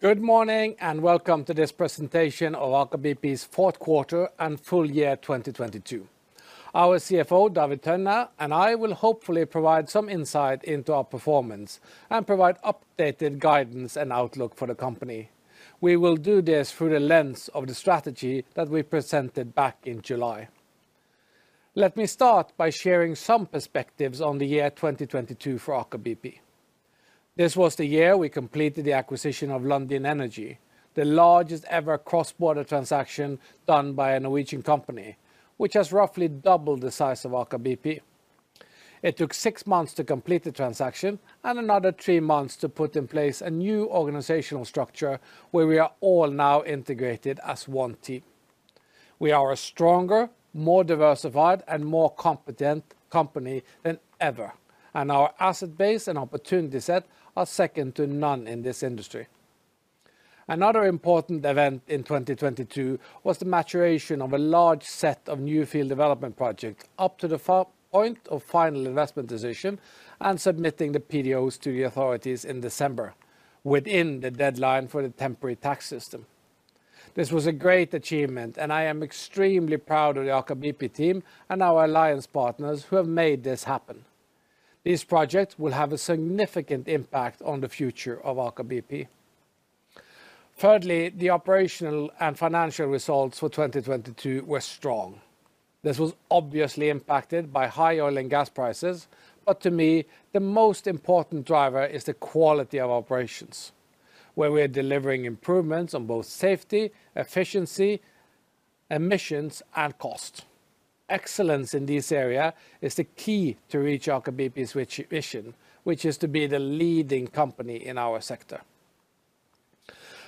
Good morning, and welcome to this presentation of Aker BP's fourth quarter and full year 2022. Our CFO, David Tønne, and I will hopefully provide some insight into our performance and provide updated guidance and outlook for the company. We will do this through the lens of the strategy that we presented back in July. Let me start by sharing some perspectives on the year 2022 for Aker BP. This was the year we completed the acquisition of Lundin Energy, the largest ever cross-border transaction done by a Norwegian company, which has roughly doubled the size of Aker BP. It took six months to complete the transaction and another three months to put in place a new organizational structure where we are all now integrated as one team. We are a stronger, more diversified, and more competent company than ever, our asset base and opportunity set are second to none in this industry. Another important event in 2022 was the maturation of a large set of new field development projects up to the point of final investment decision and submitting the PDOs to the authorities in December within the deadline for the temporary tax system. This was a great achievement, I am extremely proud of the Aker BP team and our alliance partners who have made this happen. Thirdly, the operational and financial results for 2022 were strong. This was obviously impacted by high oil and gas prices, but to me, the most important driver is the quality of operations, where we are delivering improvements on both safety, efficiency, emissions, and cost. Excellence in this area is the key to reach Aker BP's vision, which is to be the leading company in our sector.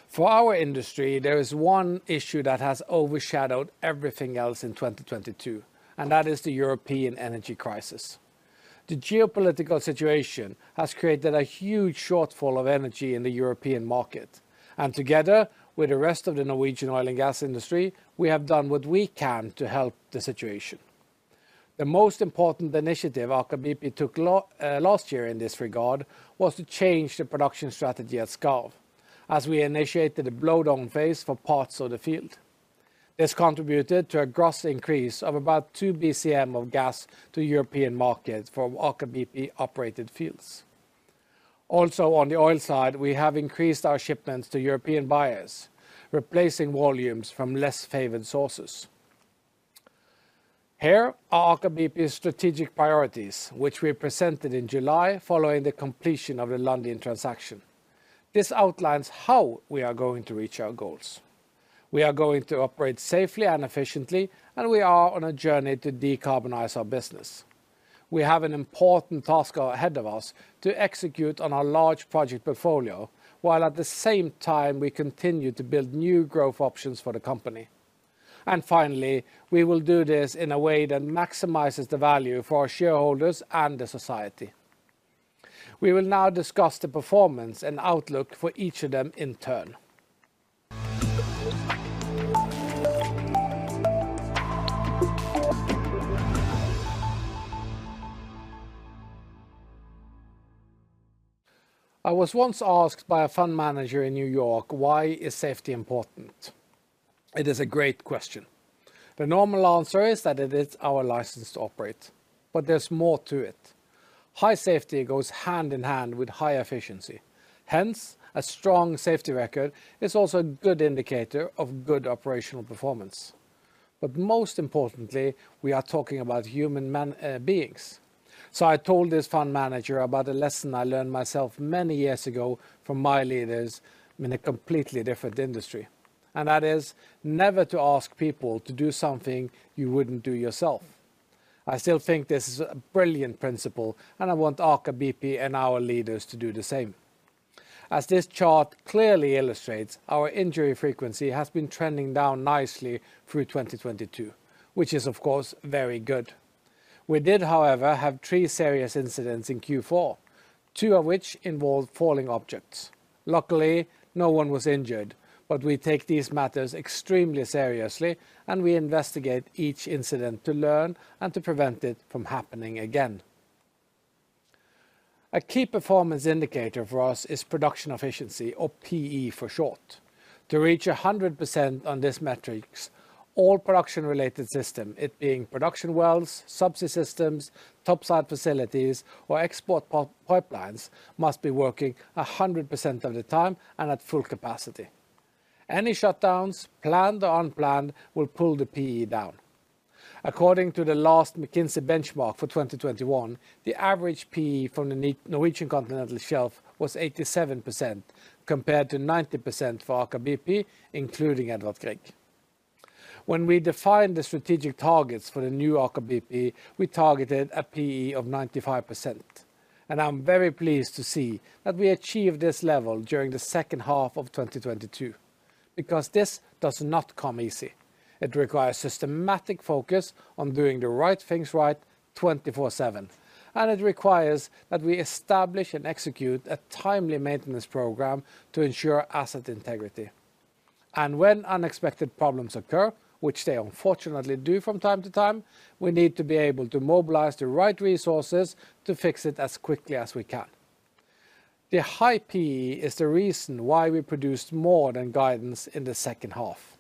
For our industry, there is one issue that has overshadowed everything else in 2022, and that is the European energy crisis. The geopolitical situation has created a huge shortfall of energy in the European market, and together with the rest of the Norwegian oil and gas industry, we have done what we can to help the situation. The most important initiative Aker BP took last year in this regard was to change the production strategy at Skarv, as we initiated a blowdown phase for parts of the field. This contributed to a gross increase of about two BCM of gas to European markets from Aker BP-operated fields. On the oil side, we have increased our shipments to European buyers, replacing volumes from less favored sources. Here are Aker BP's strategic priorities, which we presented in July following the completion of the Lundin transaction. This outlines how we are going to reach our goals. We are going to operate safely and efficiently, and we are on a journey to decarbonize our business. We have an important task ahead of us to execute on our large project portfolio, while at the same time we continue to build new growth options for the company. Finally, we will do this in a way that maximizes the value for our shareholders and the society. We will now discuss the performance and outlook for each of them in turn. I was once asked by a fund manager in New York, why is safety important? It is a great question. The normal answer is that it is our license to operate. There's more to it. High safety goes hand-in-hand with high efficiency. Hence, a strong safety record is also a good indicator of good operational performance. Most importantly, we are talking about human beings. I told this fund manager about a lesson I learned myself many years ago from my leaders in a completely different industry, and that is never to ask people to do something you wouldn't do yourself. I still think this is a brilliant principle. I want Aker BP and our leaders to do the same. As this chart clearly illustrates, our injury frequency has been trending down nicely through 2022, which is of course, very good. We did, however, have three serious incidents in Q4, two of which involved falling objects. Luckily, no one was injured, but we take these matters extremely seriously, and we investigate each incident to learn and to prevent it from happening again. A key performance indicator for us is production efficiency or PE for short. To reach 100% on this metrics, all production-related system, it being production wells, subsea systems, topside facilities, or export pipelines, must be working 100% of the time and at full capacity. Any shutdowns, planned or unplanned, will pull the PE down. According to the last McKinsey benchmark for 2021, the average PE for the Norwegian Continental Shelf was 87% compared to 90% for Aker BP, including Edvard Grieg. When we defined the strategic targets for the new Aker BP, we targeted a PE of 95%, and I'm very pleased to see that we achieved this level during the second half of 2022, because this does not come easy. It requires systematic focus on doing the right things right 24/7, and it requires that we establish and execute a timely maintenance program to ensure asset integrity. When unexpected problems occur, which they unfortunately do from time to time, we need to be able to mobilize the right resources to fix it as quickly as we can. The high PE is the reason why we produced more than guidance in the second half,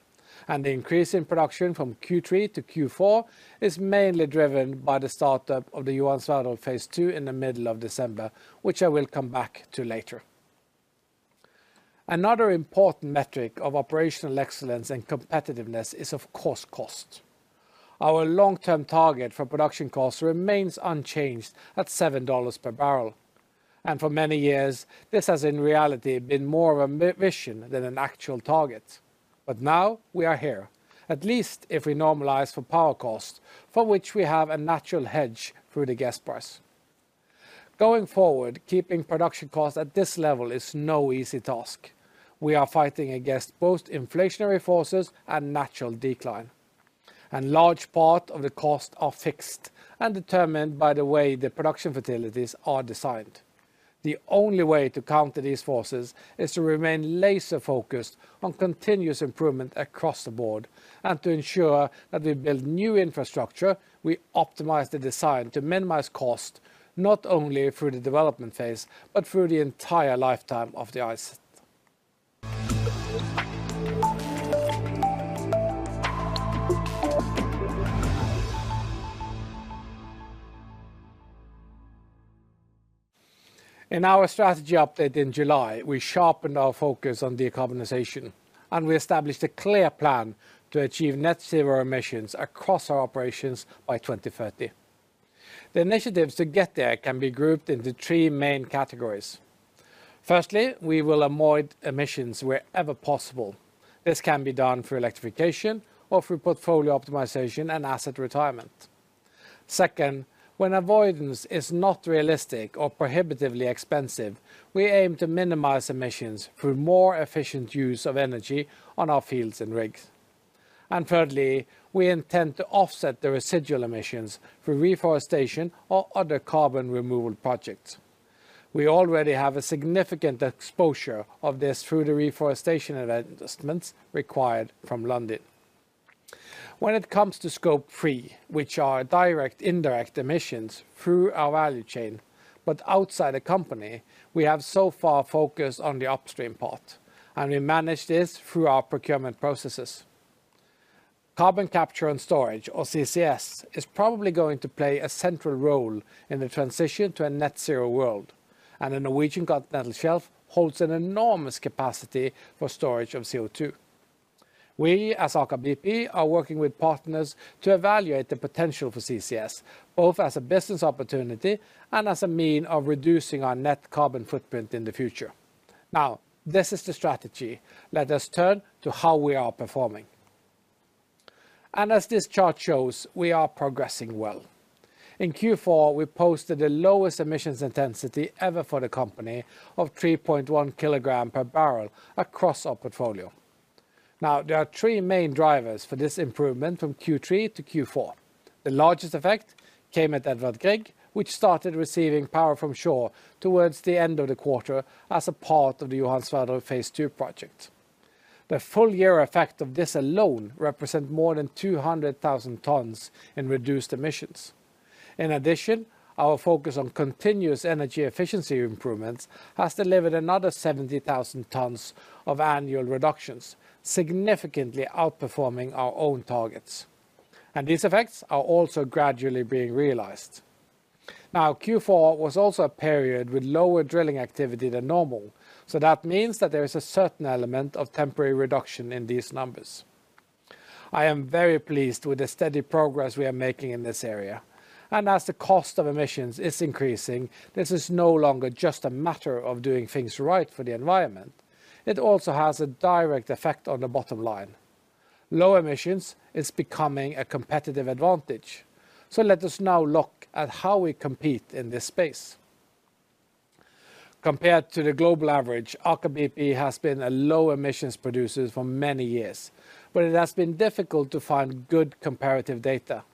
and the increase in production from Q3-Q4 is mainly driven by the start of the Johan Sverdrup phase II in the middle of December, which I will come back to later. Another important metric of operational excellence and competitiveness is of course cost. Our long-term target for production costs remains unchanged at $7 per barrel. For many years, this has in reality been more of a mission than an actual target. Now we are here, at least if we normalize for power costs, for which we have a natural hedge through the gas price. Going forward, keeping production costs at this level is no easy task. We are fighting against both inflationary forces and natural decline, and large part of the costs are fixed and determined by the way the production facilities are designed. The only way to counter these forces is to remain laser-focused on continuous improvement across the board and to ensure that we build new infrastructure, we optimize the design to minimize cost, not only through the development phase but through the entire lifetime of the asset. In our strategy update in July, we sharpened our focus on decarbonization, and we established a clear plan to achieve net zero emissions across our operations by 2030. The initiatives to get there can be grouped into three main categories. Firstly, we will avoid emissions wherever possible. This can be done through electrification or through portfolio optimization and asset retirement. Second, when avoidance is not realistic or prohibitively expensive, we aim to minimize emissions through more efficient use of energy on our fields and rigs. Thirdly, we intend to offset the residual emissions through reforestation or other carbon removal projects. We already have a significant exposure of this through the reforestation investments required from Lundin. When it comes to Scope three, which are direct indirect emissions through our value chain but outside the company, we have so far focused on the upstream part, and we manage this through our procurement processes. Carbon capture and storage, or CCS, is probably going to play a central role in the transition to a net zero world, and the Norwegian continental shelf holds an enormous capacity for storage of CO2. We as Aker BP are working with partners to evaluate the potential for CCS, both as a business opportunity and as a mean of reducing our net carbon footprint in the future. This is the strategy. Let us turn to how we are performing. As this chart shows, we are progressing well. In Q4, we posted the lowest emissions intensity ever for the company of 3.1 kg per barrel across our portfolio. There are three main drivers for this improvement from Q3 to Q4. The largest effect came at Edvard Grieg, which started receiving power from shore towards the end of the quarter as a part of the Johan Sverdrup phase II project. The full year effect of this alone represent more than 200,000 tons in reduced emissions. Our focus on continuous energy efficiency improvements has delivered another 70,000 tons of annual reductions, significantly outperforming our own targets. These effects are also gradually being realized. Q4 was also a period with lower drilling activity than normal, that means that there is a certain element of temporary reduction in these numbers. I am very pleased with the steady progress we are making in this area. As the cost of emissions is increasing, this is no longer just a matter of doing things right for the environment. It also has a direct effect on the bottom line. Low emissions is becoming a competitive advantage. Let us now look at how we compete in this space. Compared to the global average, Aker BP has been a low emissions producer for many years, but it has been difficult to find good comparative data.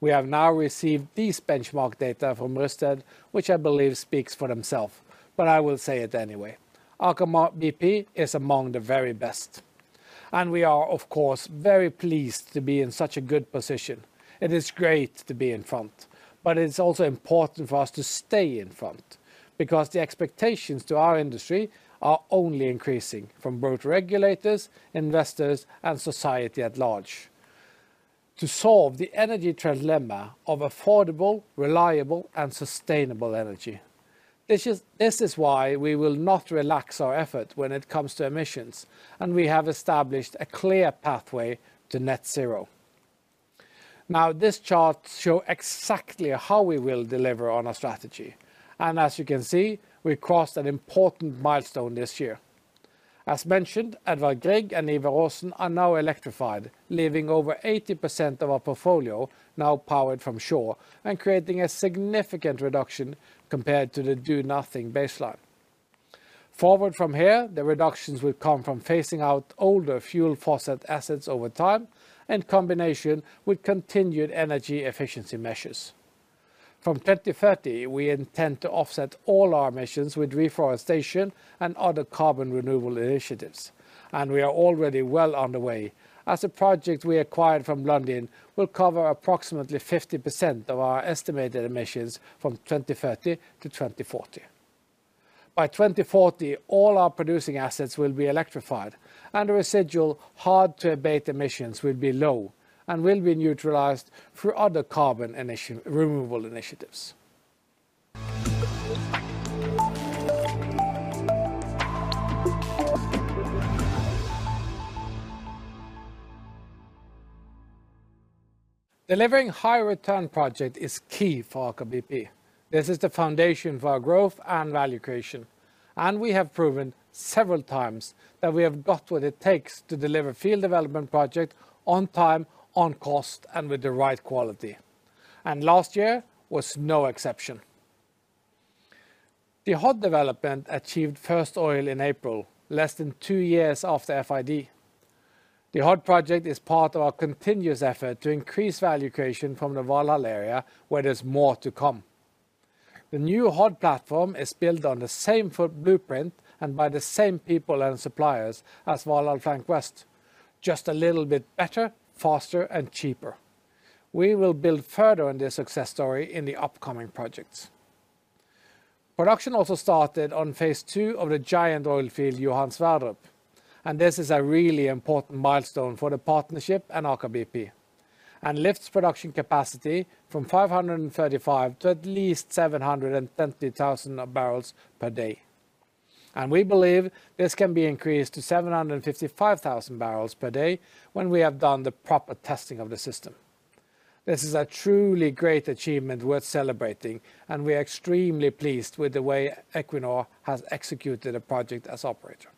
We have now received these benchmark data from Rystad, which I believe speaks for themselves, but I will say it anyway. Aker BP is among the very best. We are of course very pleased to be in such a good position. It is great to be in front, it is also important for us to stay in front because the expectations to our industry are only increasing from both regulators, investors, and society at large to solve the energy dilemma of affordable, reliable, and sustainable energy. This is why we will not relax our effort when it comes to emissions, we have established a clear pathway to net zero. This chart show exactly how we will deliver on our strategy. As you can see, we crossed an important milestone this year. As mentioned, Edvard Grieg and Ivar Aasen are now electrified, leaving over 80% of our portfolio now powered from shore and creating a significant reduction compared to the do nothing baseline. Forward from here, the reductions will come from phasing out older fuel fossil assets over time in combination with continued energy efficiency measures. From 2030, we intend to offset all our emissions with reforestation and other carbon renewal initiatives. We are already well underway as a project we acquired from Lundin will cover approximately 50% of our estimated emissions from 2030-2040. By 2040, all our producing assets will be electrified and the residual hard to abate emissions will be low and will be neutralized through other carbon removal initiatives. Delivering high return project is key for Aker BP. This is the foundation for our growth and value creation, and we have proven several times that we have got what it takes to deliver field development project on time, on cost, and with the right quality. Last year was no exception. The Hod development achieved first oil in April, less than two years after FID. The Hod project is part of our continuous effort to increase value creation from the Valhall area where there's more to come. The new Hod platform is built on the same foot blueprint and by the same people and suppliers as Valhall Flank West, just a little bit better, faster, and cheaper. We will build further on this success story in the upcoming projects. Production also started on phase II of the giant oil field, Johan Sverdrup. This is a really important milestone for the partnership and Aker BP and lifts production capacity from 535 to at least 720,000 of barrels per day. We believe this can be increased to 755,000 barrels per day when we have done the proper testing of the system. This is a truly great achievement worth celebrating, and we are extremely pleased with the way Equinor has executed a project as operator.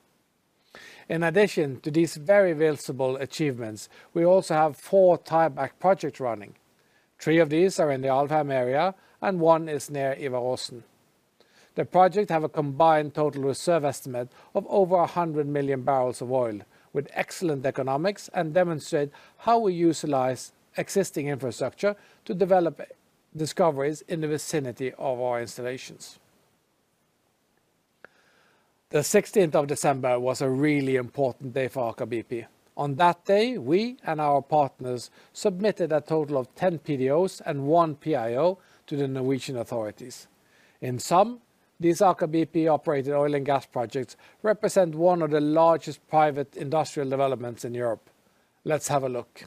In addition to these very visible achievements, we also have four tieback projects running. Three of these are in the Alvheim Area, and one is near Ivar Aasen. The project have a combined total reserve estimate of over 100 million barrels of oil with excellent economics, and demonstrate how we utilize existing infrastructure to develop discoveries in the vicinity of our installations. The December 16th was a really important day for Aker BP. On that day, we and our partners submitted a total of 10 PDOs and one PIO to the Norwegian authorities. In sum, these Aker BP-operated oil and gas projects represent one of the largest private industrial developments in Europe. Let's have a look.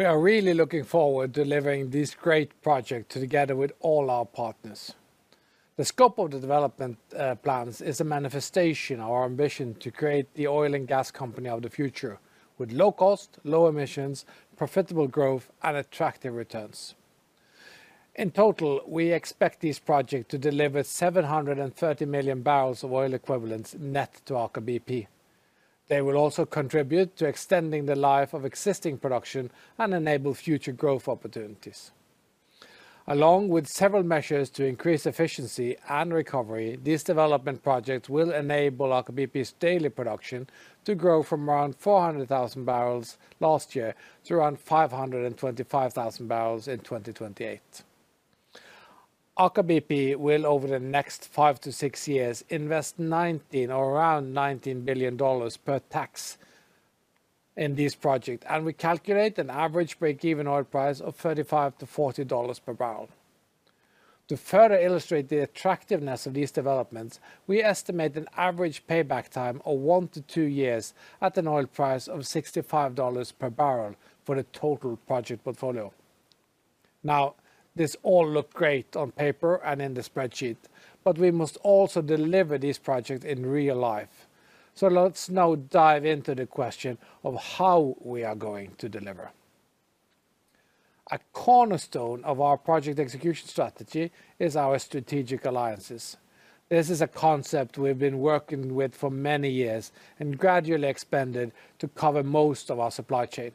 We are really looking forward delivering this great project together with all our partners. The scope of the development plans is a manifestation of our ambition to create the oil and gas company of the future with low cost, low emissions, profitable growth, and attractive returns. In total, we expect these projects to deliver 730 million barrels of oil equivalents net to Aker BP. They will also contribute to extending the life of existing production and enable future growth opportunities. Along with several measures to increase efficiency and recovery, these development projects will enable Aker BP's daily production to grow from around 400,000 barrels last year to around 525,000 barrels in 2028. Aker BP will over the next five-six years invest $19 billion CapEx in these projects, and we calculate an average break-even oil price of $35-$40 per barrel. To further illustrate the attractiveness of these developments, we estimate an average payback time of one-two years at an oil price of $65 per barrel for the total project portfolio. This all look great on paper and in the spreadsheet, but we must also deliver these projects in real life. Let's now dive into the question of how we are going to deliver. A cornerstone of our project execution strategy is our strategic alliances. This is a concept we've been working with for many years and gradually expanded to cover most of our supply chain.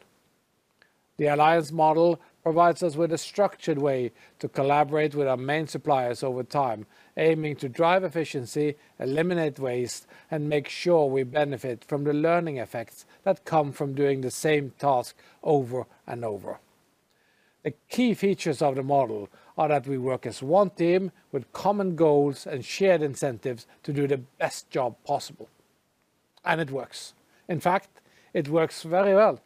The alliance model provides us with a structured way to collaborate with our main suppliers over time, aiming to drive efficiency, eliminate waste, and make sure we benefit from the learning effects that come from doing the same task over and over. The key features of the model are that we work as one team with common goals and shared incentives to do the best job possible. It works. In fact, it works very well.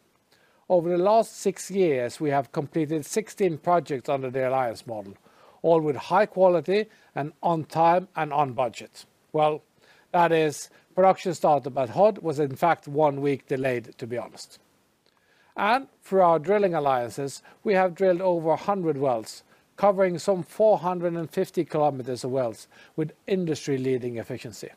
Over the last six years, we have completed 16 projects under the alliance model, all with high quality and on time and on budget. Well, that is, production started. Hod was in fact one week delayed, to be honest. Through our drilling alliances, we have drilled over 100 wells, covering some 450 kilometers of wells with industry-leading efficiency.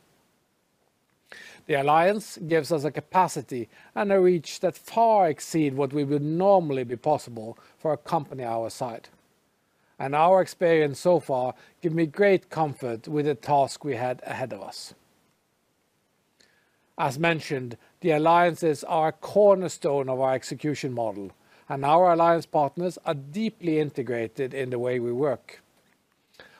The alliance gives us a capacity and a reach that far exceed what we would normally be possible for a company our size. Our experience so far give me great comfort with the task we had ahead of us. As mentioned, the alliances are a cornerstone of our execution model, and our alliance partners are deeply integrated in the way we work.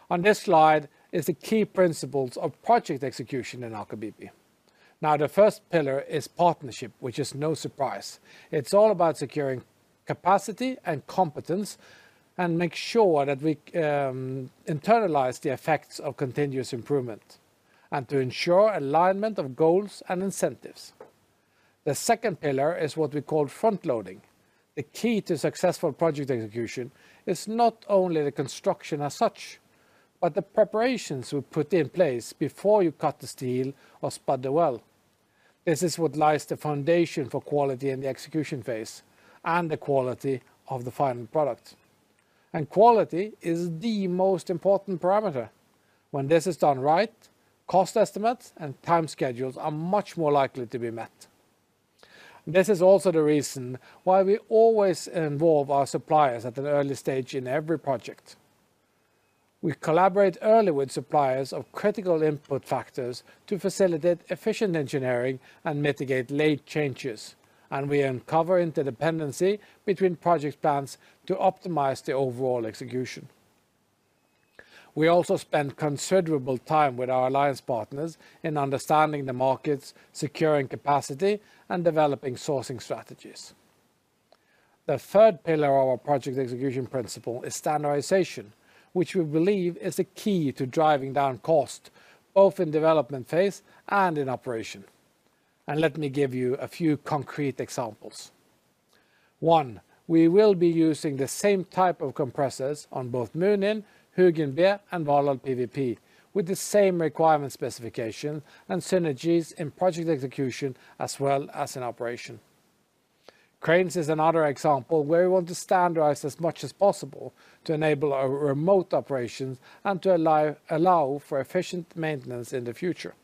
On this slide is the key principles of project execution in Aker BP. The first pillar is partnership, which is no surprise. It's all about securing capacity and competence and make sure that we internalize the effects of continuous improvement and to ensure alignment of goals and incentives. The second pillar is what we call frontloading. The key to successful project execution is not only the construction as such, but the preparations we put in place before you cut the steel or spud the well. This is what lies the foundation for quality in the execution phase and the quality of the final product. Quality is the most important parameter. When this is done right, cost estimates and time schedules are much more likely to be met. This is also the reason why we always involve our suppliers at an early stage in every project. We collaborate early with suppliers of critical input factors to facilitate efficient engineering and mitigate late changes, and we uncover interdependency between project plans to optimize the overall execution. We also spend considerable time with our alliance partners in understanding the markets, securing capacity, and developing sourcing strategies. The third pillar of our project execution principle is standardization, which we believe is the key to driving down cost, both in development phase and in operation. Let me give you a few concrete examples. One, we will be using the same type of compressors on both Munin, Hugin B, and Valhall PWP with the same requirement specification and synergies in project execution as well as in operation. Cranes is another example where we want to standardize as much as possible to enable our remote operations and to allow for efficient maintenance in the future.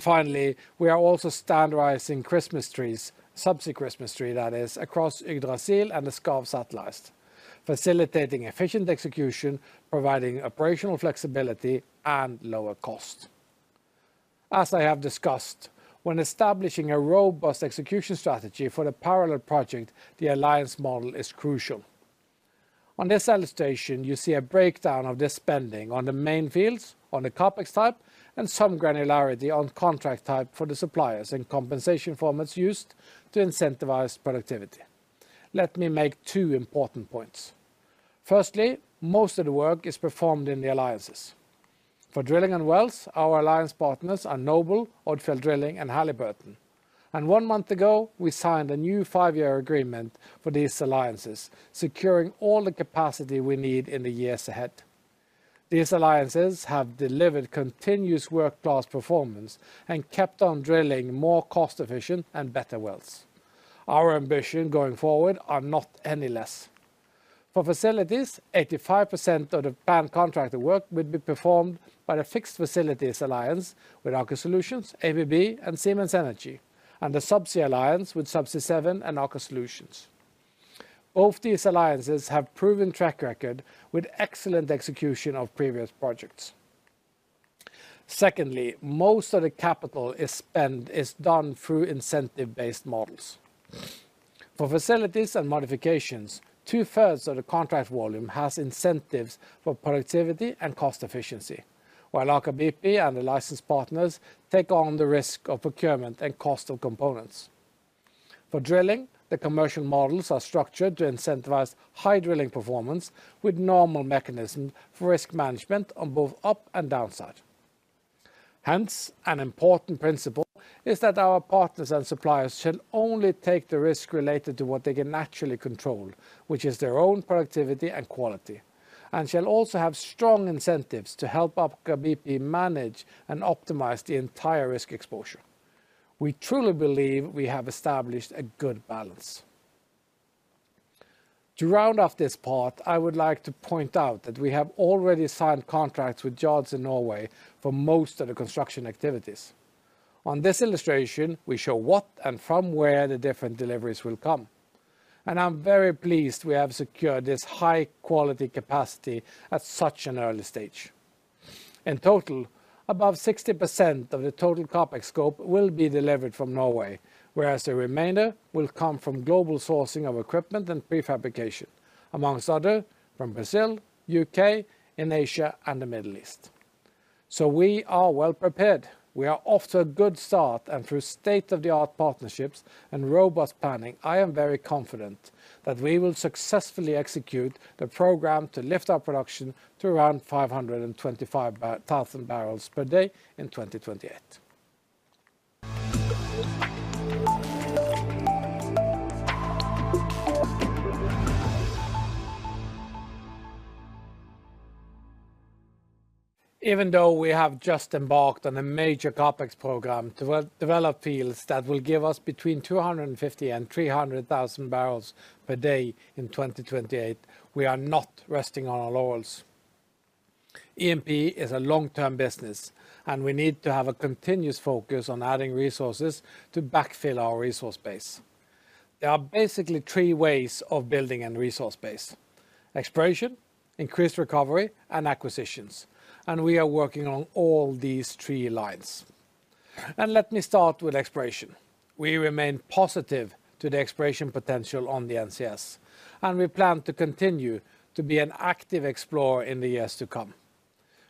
Finally, we are also standardizing Christmas trees, subsea Christmas tree that is, across Yggdrasil and the Skarv Satellites, facilitating efficient execution, providing operational flexibility and lower cost. As I have discussed, when establishing a robust execution strategy for the parallel project, the alliance model is crucial. On this illustration, you see a breakdown of this spending on the main fields, on the CapEx type, and some granularity on contract type for the suppliers and compensation formats used to incentivize productivity. Let me make two important points. Most of the work is performed in the alliances. For drilling and wells, our alliance partners are Noble, Odfjell Drilling, and Halliburton. One month ago, we signed a new five-year agreement for these alliances, securing all the capacity we need in the years ahead. These alliances have delivered continuous world-class performance and kept on drilling more cost efficient and better wells. Our ambition going forward are not any less. For facilities, 85% of the planned contracted work will be performed by the fixed facilities alliance with Aker Solutions, ABB, and Siemens Energy, and the subsea alliance with Subsea 7 and Aker Solutions. Both these alliances have proven track record with excellent execution of previous projects. Secondly, most of the capital is spent is done through incentive-based models. For facilities and modifications, two-thirds of the contract volume has incentives for productivity and cost efficiency, while Aker BP and the license partners take on the risk of procurement and cost of components. For drilling, the commercial models are structured to incentivize high drilling performance with normal mechanism for risk management on both up and downside. Hence, an important principle is that our partners and suppliers shall only take the risk related to what they can naturally control, which is their own productivity and quality, and shall also have strong incentives to help Aker BP manage and optimize the entire risk exposure. We truly believe we have established a good balance. To round off this part, I would like to point out that we have already signed contracts with yards in Norway for most of the construction activities. On this illustration, we show what and from where the different deliveries will come, and I'm very pleased we have secured this high-quality capacity at such an early stage. In total, above 60% of the total CapEx scope will be delivered from Norway, whereas the remainder will come from global sourcing of equipment and prefabrication, amongst other, from Brazil, U.K., in Asia and the Middle East. We are well prepared. We are off to a good start and through state-of-the-art partnerships and robust planning, I am very confident that we will successfully execute the program to lift our production to around 525,000 barrels per day in 2028. Even though we have just embarked on a major CapEx program to develop fields that will give us between 250 and 300,000 barrels per day in 2028, we are not resting on our laurels. E&P is a long-term business. We need to have a continuous focus on adding resources to backfill our resource base. There are basically three ways of building a resource base. Exploration, increased recovery, and acquisitions. We are working on all these three lines. Let me start with exploration. We remain positive to the exploration potential on the NCS. We plan to continue to be an active explorer in the years to come.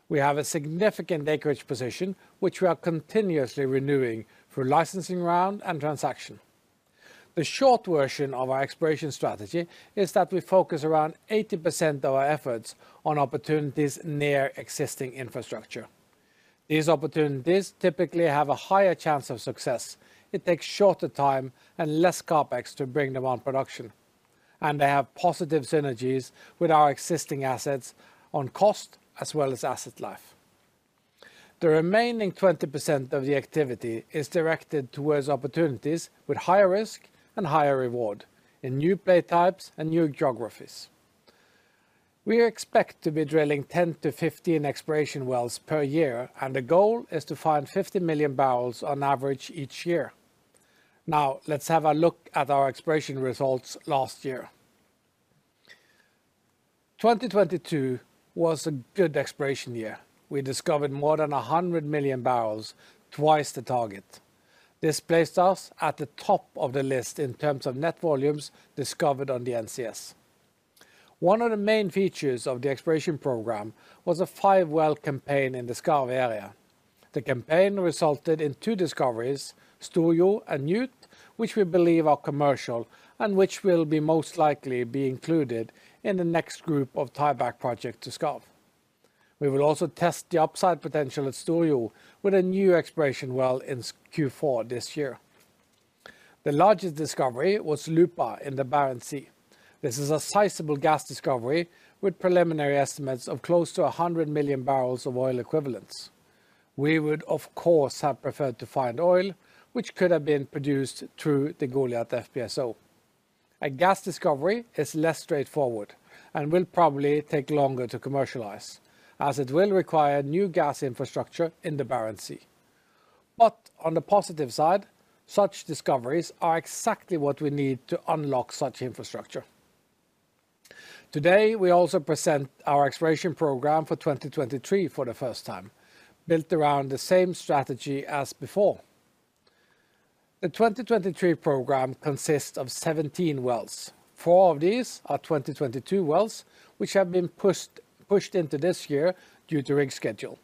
We have a significant acreage position, which we are continuously renewing through licensing round and transaction. The short version of our exploration strategy is that we focus around 80% of our efforts on opportunities near existing infrastructure. These opportunities typically have a higher chance of success. It takes shorter time and less CapEx to bring them on production, and they have positive synergies with our existing assets on cost as well as asset life. The remaining 20% of the activity is directed towards opportunities with higher risk and higher reward in new play types and new geographies. We expect to be drilling 10-15 exploration wells per year, and the goal is to find 50 million barrels on average each year. Let's have a look at our exploration results last year. 2022 was a good exploration year. We discovered more than 100 million barrels, twice the target. This placed us at the top of the list in terms of net volumes discovered on the NCS. One of the main features of the exploration program was a five-well campaign in the Skarv area. The campaign resulted in two discoveries, Storjo and Njord, which we believe are commercial and which will most likely be included in the next group of tieback project to Skarv. We will also test the upside potential at Storjo with a new exploration well in Q4 this year. The largest discovery was Lupa in the Barents Sea. This is a sizable gas discovery with preliminary estimates of close to 100 million barrels of oil equivalents. We would, of course, have preferred to find oil, which could have been produced through the Goliat FPSO. A gas discovery is less straightforward and will probably take longer to commercialize as it will require new gas infrastructure in the Barents Sea. On the positive side, such discoveries are exactly what we need to unlock such infrastructure. Today, we also present our exploration program for 2023 for the first time, built around the same strategy as before. The 2023 program consists of 17 wells. Four of these are 2022 wells, which have been pushed into this year due to rig schedule.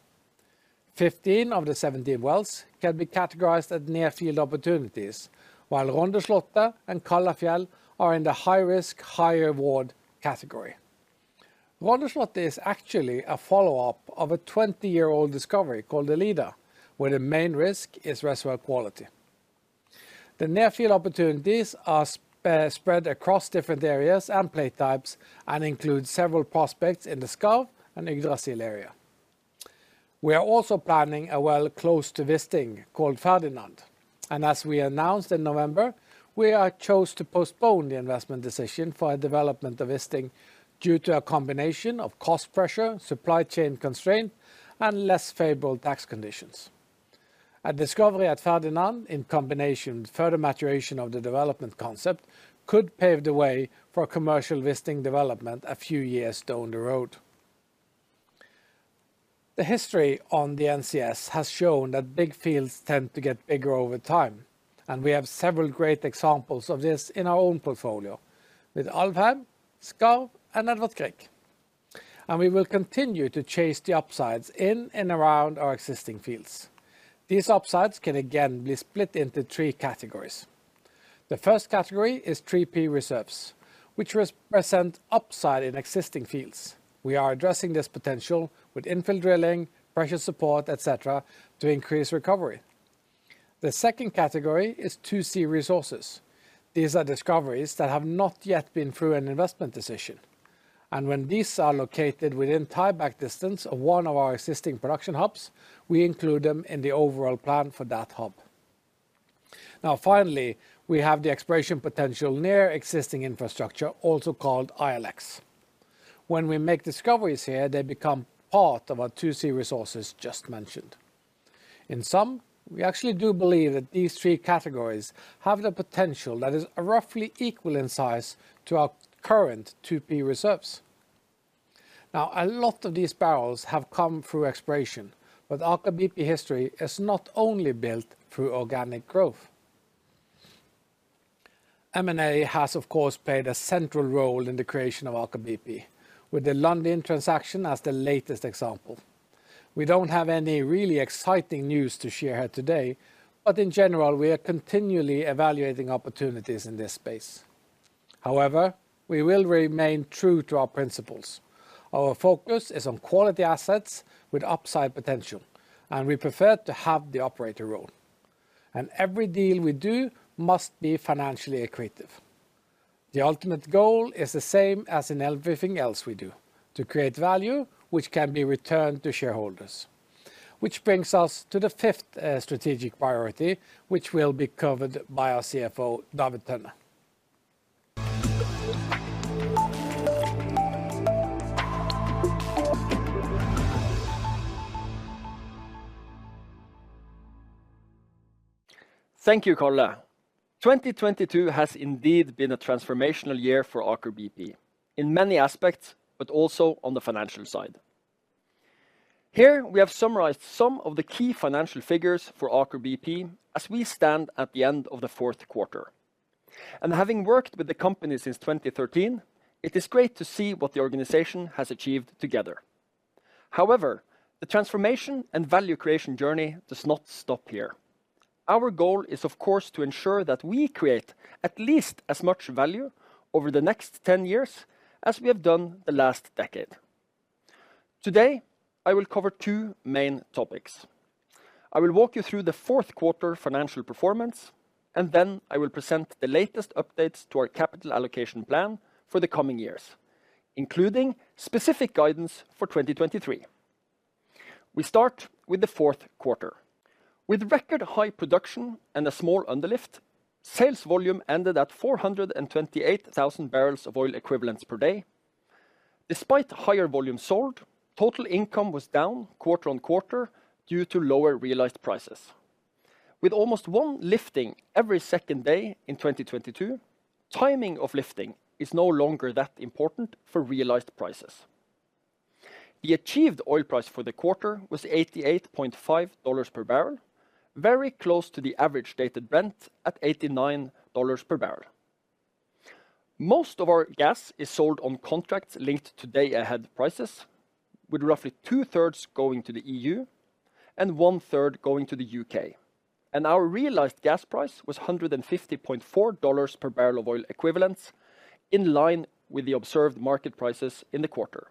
15 of the 17 wells can be categorized as near-field opportunities, while Rondslottet and Kallfjell are in the high risk, high reward category. Rondslottet is actually a follow-up of a 20-year-old discovery called the Lida, where the main risk is reservoir quality. The near field opportunities are spread across different areas and play types and include several prospects in the Skarv and Yggdrasil area. We are also planning a well close to Wisting called Ferdinand. As we announced in November, we chose to postpone the investment decision for a development of Wisting due to a combination of cost pressure, supply chain constraint, and less favorable tax conditions. A discovery at Ferdinand in combination with further maturation of the development concept could pave the way for commercial Wisting development a few years down the road. The history on the NCS has shown that big fields tend to get bigger over time, and we have several great examples of this in our own portfolio with Alvheim, Skarv, and Edvard Grieg. We will continue to chase the upsides in and around our existing fields. These upsides can again be split into three categories. The first category is 3P reserves, which represent upside in existing fields. We are addressing this potential with infill drilling, pressure support, et cetera, to increase recovery. The second category is 2C resources. These are discoveries that have not yet been through an investment decision. When these are located within tieback distance of one of our existing production hubs, we include them in the overall plan for that hub. Finally, we have the exploration potential near existing infrastructure, also called ILX. When we make discoveries here, they become part of our 2C resources just mentioned. We actually do believe that these three categories have the potential that is roughly equal in size to our current 2P reserves. A lot of these barrels have come through exploration, but Aker BP history is not only built through organic growth. M&A has, of course, played a central role in the creation of Aker BP with the Lundin transaction as the latest example. We don't have any really exciting news to share here today, but in general, we are continually evaluating opportunities in this space. However, we will remain true to our principles. Our focus is on quality assets with upside potential, and we prefer to have the operator role. Every deal we do must be financially accretive. The ultimate goal is the same as in everything else we do, to create value which can be returned to shareholders. Which brings us to the fifth strategic priority, which will be covered by our CFO, David Tønne. Thank you, Karl. 2022 has indeed been a transformational year for Aker BP in many aspects, but also on the financial side. Here we have summarized some of the key financial figures for Aker BP as we stand at the end of the fourth quarter. Having worked with the company since 2013, it is great to see what the organization has achieved together. However, the transformation and value creation journey does not stop here. Our goal is, of course, to ensure that we create at least as much value over the next 10 years as we have done the last decade. Today, I will cover two main topics. I will walk you through the fourth quarter financial performance, then I will present the latest updates to our capital allocation plan for the coming years, including specific guidance for 2023. We start with the fourth quarter. With record high production and a small uplift, sales volume ended at 428,000 barrels of oil equivalents per day. Despite higher volume sold, total income was down QoQ due to lower realized prices. With almost one lifting every second day in 2022, timing of lifting is no longer that important for realized prices. The achieved oil price for the quarter was $88.5 per barrel, very close to the average Dated Brent at $89 per barrel. Most of our gas is sold on contracts linked to day-ahead prices, with roughly 2/3 going to the EU and 1/3 going to the U.K.. Our realized gas price was $150.4 per barrel of oil equivalents in line with the observed market prices in the quarter.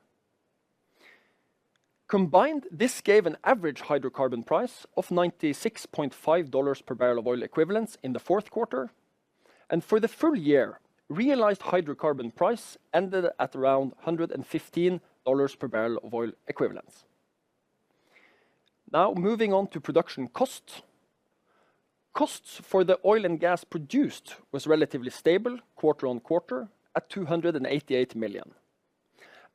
Combined, this gave an average hydrocarbon price of $96.5 per barrel of oil equivalents in the fourth quarter. For the full year, realized hydrocarbon price ended at around $115 per barrel of oil equivalents. Moving on to production cost. Costs for the oil and gas produced was relatively stable QoQ at $288 million.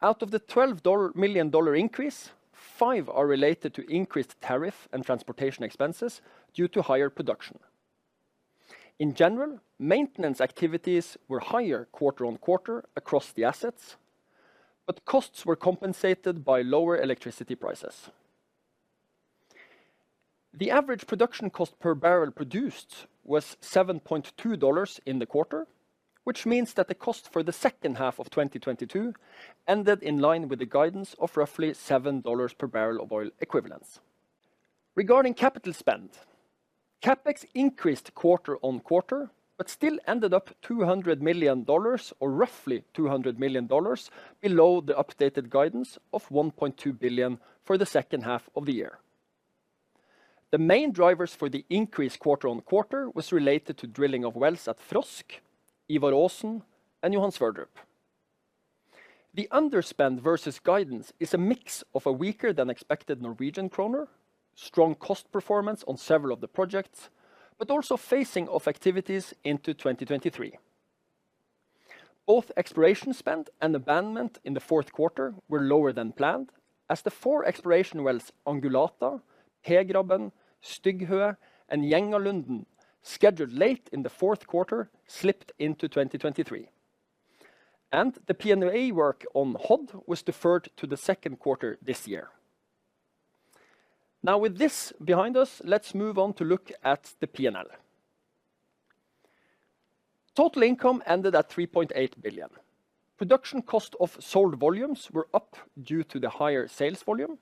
Out of the $12 million increase, five are related to increased tariff and transportation expenses due to higher production. In general, maintenance activities were higher QoQ across the assets, costs were compensated by lower electricity prices. The average production cost per barrel produced was $7.2 in the quarter, which means that the cost for the second half of 2022 ended in line with the guidance of roughly $7 per barrel of oil equivalents. Regarding capital spend, CapEx increased QoQ, still ended up $200 million or roughly $200 million below the updated guidance of $1.2 billion for the second half of the year. The main drivers for the increase QoQ was related to drilling of wells at Frosk, Ivar Aasen, and Johan Sverdrup. The underspend versus guidance is a mix of a weaker than expected Norwegian kroner, strong cost performance on several of the projects, but also facing off activities into 2023. Both exploration spend and abandonment in the fourth quarter were lower than planned as the four exploration wells, Angulata, Begraben, Stygghøe, and Gjengalunden, scheduled late in the fourth quarter slipped into 2023. The PNA work on Hod was deferred to the second quarter this year. With this behind us, let's move on to look at the P&L. Total income ended at $3.8 billion. Production cost of sold volumes were up due to the higher sales volume.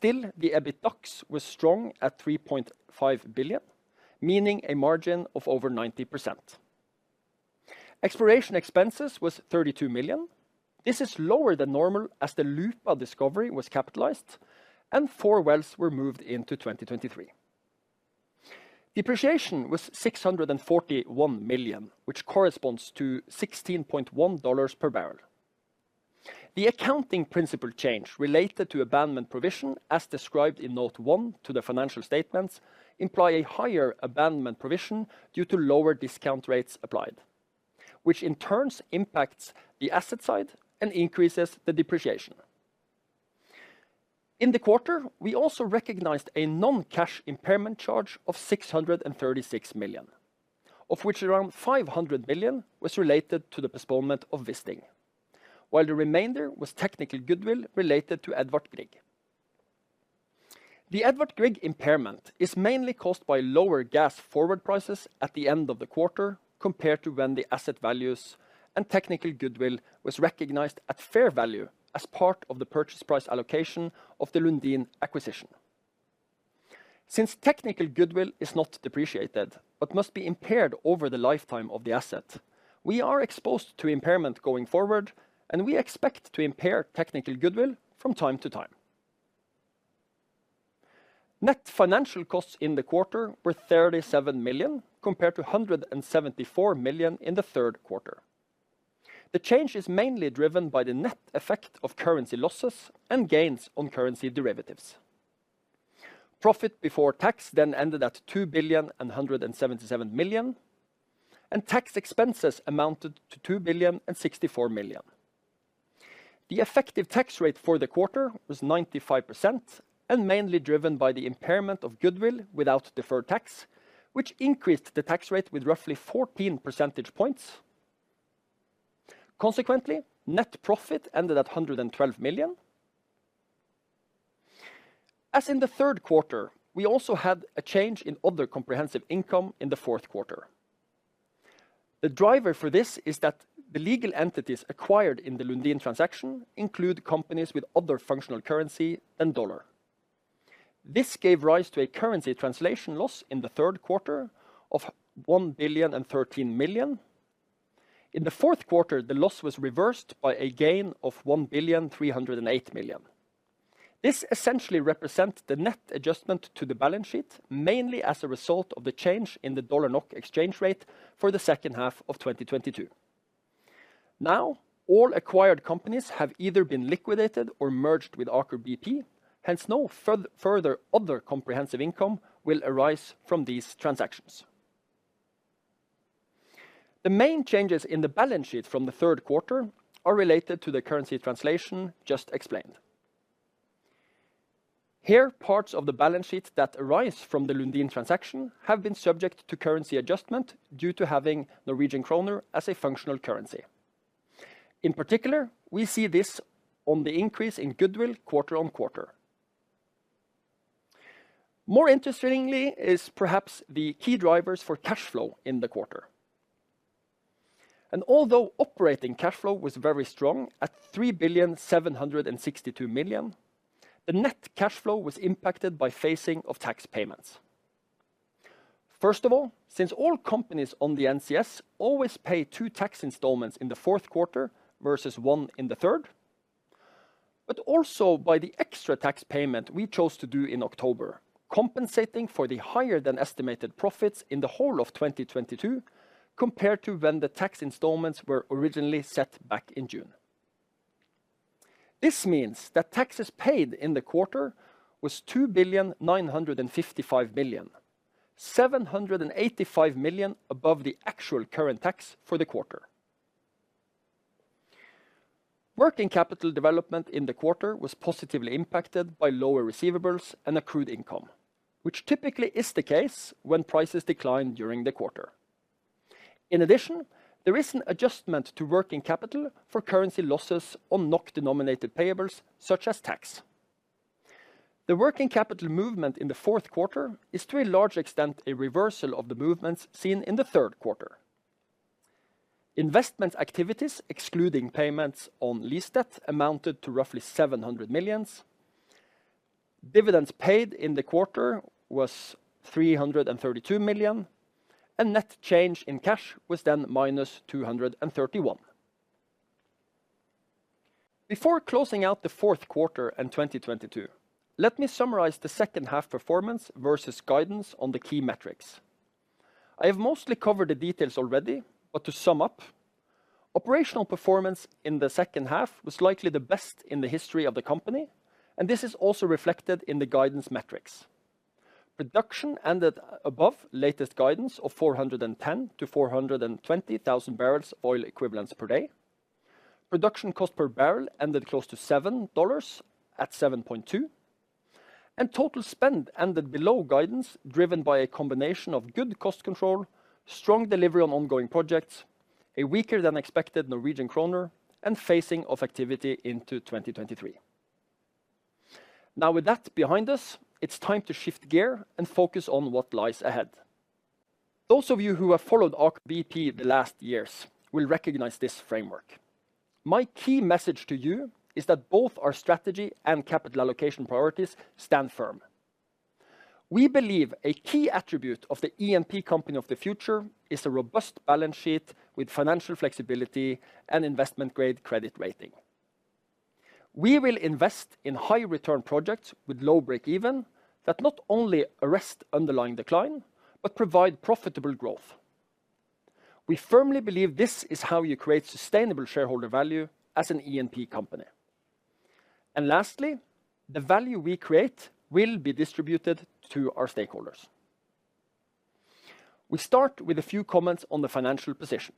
The EBITDAX was strong at $3.5 billion, meaning a margin of over 90%. Exploration expenses was $32 million. This is lower than normal as the Lupa discovery was capitalized and four wells were moved into 2023. Depreciation was $641 million, which corresponds to $16.1 per barrel. The accounting principle change related to abandonment provision, as described in note one to the financial statements, imply a higher abandonment provision due to lower discount rates applied. Which in turn impacts the asset side and increases the depreciation. In the quarter, we also recognized a non-cash impairment charge of $636 million, of which around $500 million was related to the postponement of Wisting, while the remainder was technical goodwill related to Edvard Grieg. The Edvard Grieg impairment is mainly caused by lower gas forward prices at the end of the quarter compared to when the asset values and technical goodwill was recognized at fair value as part of the purchase price allocation of the Lundin acquisition. Since technical goodwill is not depreciated but must be impaired over the lifetime of the asset, we are exposed to impairment going forward, and we expect to impair technical goodwill from time to time. Net financial costs in the quarter were $37 million, compared to $174 million in the third quarter. The change is mainly driven by the net effect of currency losses and gains on currency derivatives. Profit before tax ended at $2.177 billion, and tax expenses amounted to $2.064 billion. The effective tax rate for the quarter was 95% and mainly driven by the impairment of goodwill without deferred tax, which increased the tax rate with roughly 14 percentage points. Consequently, net profit ended at $112 million. As in the third quarter, we also had a change in other comprehensive income in the fourth quarter. The driver for this is that the legal entities acquired in the Lundin transaction include companies with other functional currency than dollar. This gave rise to a currency translation loss in the third quarter of $1.013 billion. In the fourth quarter, the loss was reversed by a gain of $1.308 billion. This essentially represents the net adjustment to the balance sheet, mainly as a result of the change in the USD NOK exchange rate for the second half of 2022. All acquired companies have either been liquidated or merged with Aker BP, hence no further other comprehensive income will arise from these transactions. The main changes in the balance sheet from the third quarter are related to the currency translation just explained. Here, parts of the balance sheet that arise from the Lundin transaction have been subject to currency adjustment due to having Norwegian kroner as a functional currency. In particular, we see this on the increase in goodwill QoQ. More interestingly is perhaps the key drivers for cash flow in the quarter. Although operating cash flow was very strong at $3,762 million, the net cash flow was impacted by phasing of tax payments. First of all, since all companies on the NCS always pay two tax installments in the fourth quarter versus one in the third, but also by the extra tax payment we chose to do in October, compensating for the higher than estimated profits in the whole of 2022 compared to when the tax installments were originally set back in June. This means that taxes paid in the quarter was $2,955 million, $785 million above the actual current tax for the quarter. Working capital development in the quarter was positively impacted by lower receivables and accrued income, which typically is the case when prices decline during the quarter. In addition, there is an adjustment to working capital for currency losses on NOK-denominated payables, such as tax. The working capital movement in the fourth quarter is to a large extent a reversal of the movements seen in the third quarter. Investment activities excluding payments on lease debt amounted to roughly $700 million. Dividends paid in the quarter was $332 million, and net change in cash was then minus $231 million. Before closing out the fourth quarter in 2022, let me summarize the second half performance versus guidance on the key metrics. I have mostly covered the details already, but to sum up, operational performance in the second half was likely the best in the history of the company, and this is also reflected in the guidance metrics. Production ended above latest guidance of 410,000-420,000 barrels oil equivalents per day. Production cost per barrel ended close to $7 at $7.2. Total spend ended below guidance driven by a combination of good cost control, strong delivery on ongoing projects, a weaker than expected Norwegian kroner, and phasing of activity into 2023. With that behind us, it's time to shift gear and focus on what lies ahead. Those of you who have followed Aker BP the last years will recognize this framework. My key message to you is that both our strategy and capital allocation priorities stand firm. We believe a key attribute of the E&P company of the future is a robust balance sheet with financial flexibility and investment-grade credit rating. We will invest in high-return projects with low break-even that not only arrest underlying decline but provide profitable growth. We firmly believe this is how you create sustainable shareholder value as an E&P company. Lastly, the value we create will be distributed to our stakeholders. We start with a few comments on the financial position.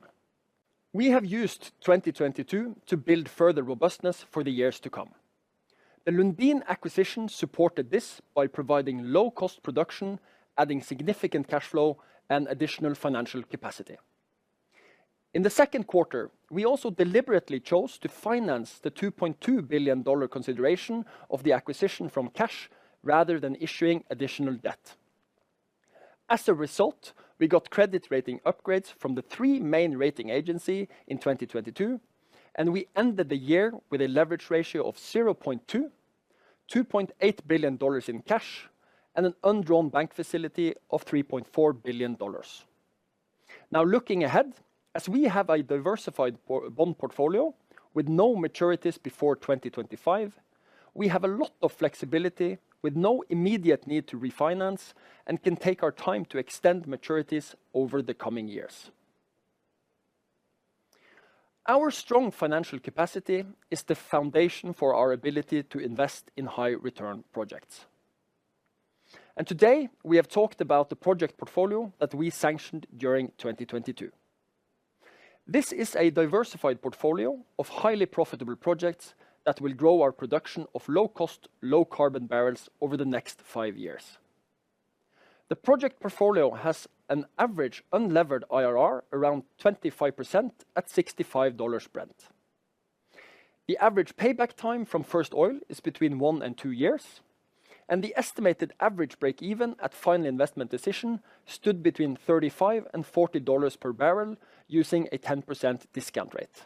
We have used 2022 to build further robustness for the years to come. The Lundin acquisition supported this by providing low-cost production, adding significant cash flow and additional financial capacity. In the second quarter, we also deliberately chose to finance the $2.2 billion consideration of the acquisition from cash rather than issuing additional debt. We got credit rating upgrades from the three main rating agency in 2022, and we ended the year with a leverage ratio of 0.2, $2.8 billion in cash, and an undrawn bank facility of $3.4 billion. Looking ahead, as we have a diversified bond portfolio with no maturities before 2025, we have a lot of flexibility with no immediate need to refinance and can take our time to extend maturities over the coming years. Our strong financial capacity is the foundation for our ability to invest in high return projects. Today, we have talked about the project portfolio that we sanctioned during 2022. This is a diversified portfolio of highly profitable projects that will grow our production of low cost, low-carbon barrels over the next five years. The project portfolio has an average unlevered IRR around 25% at $65 spread. The average payback time from first oil is between one and two years, and the estimated average break-even at final investment decision stood between $35 and $40 per barrel using a 10% discount rate.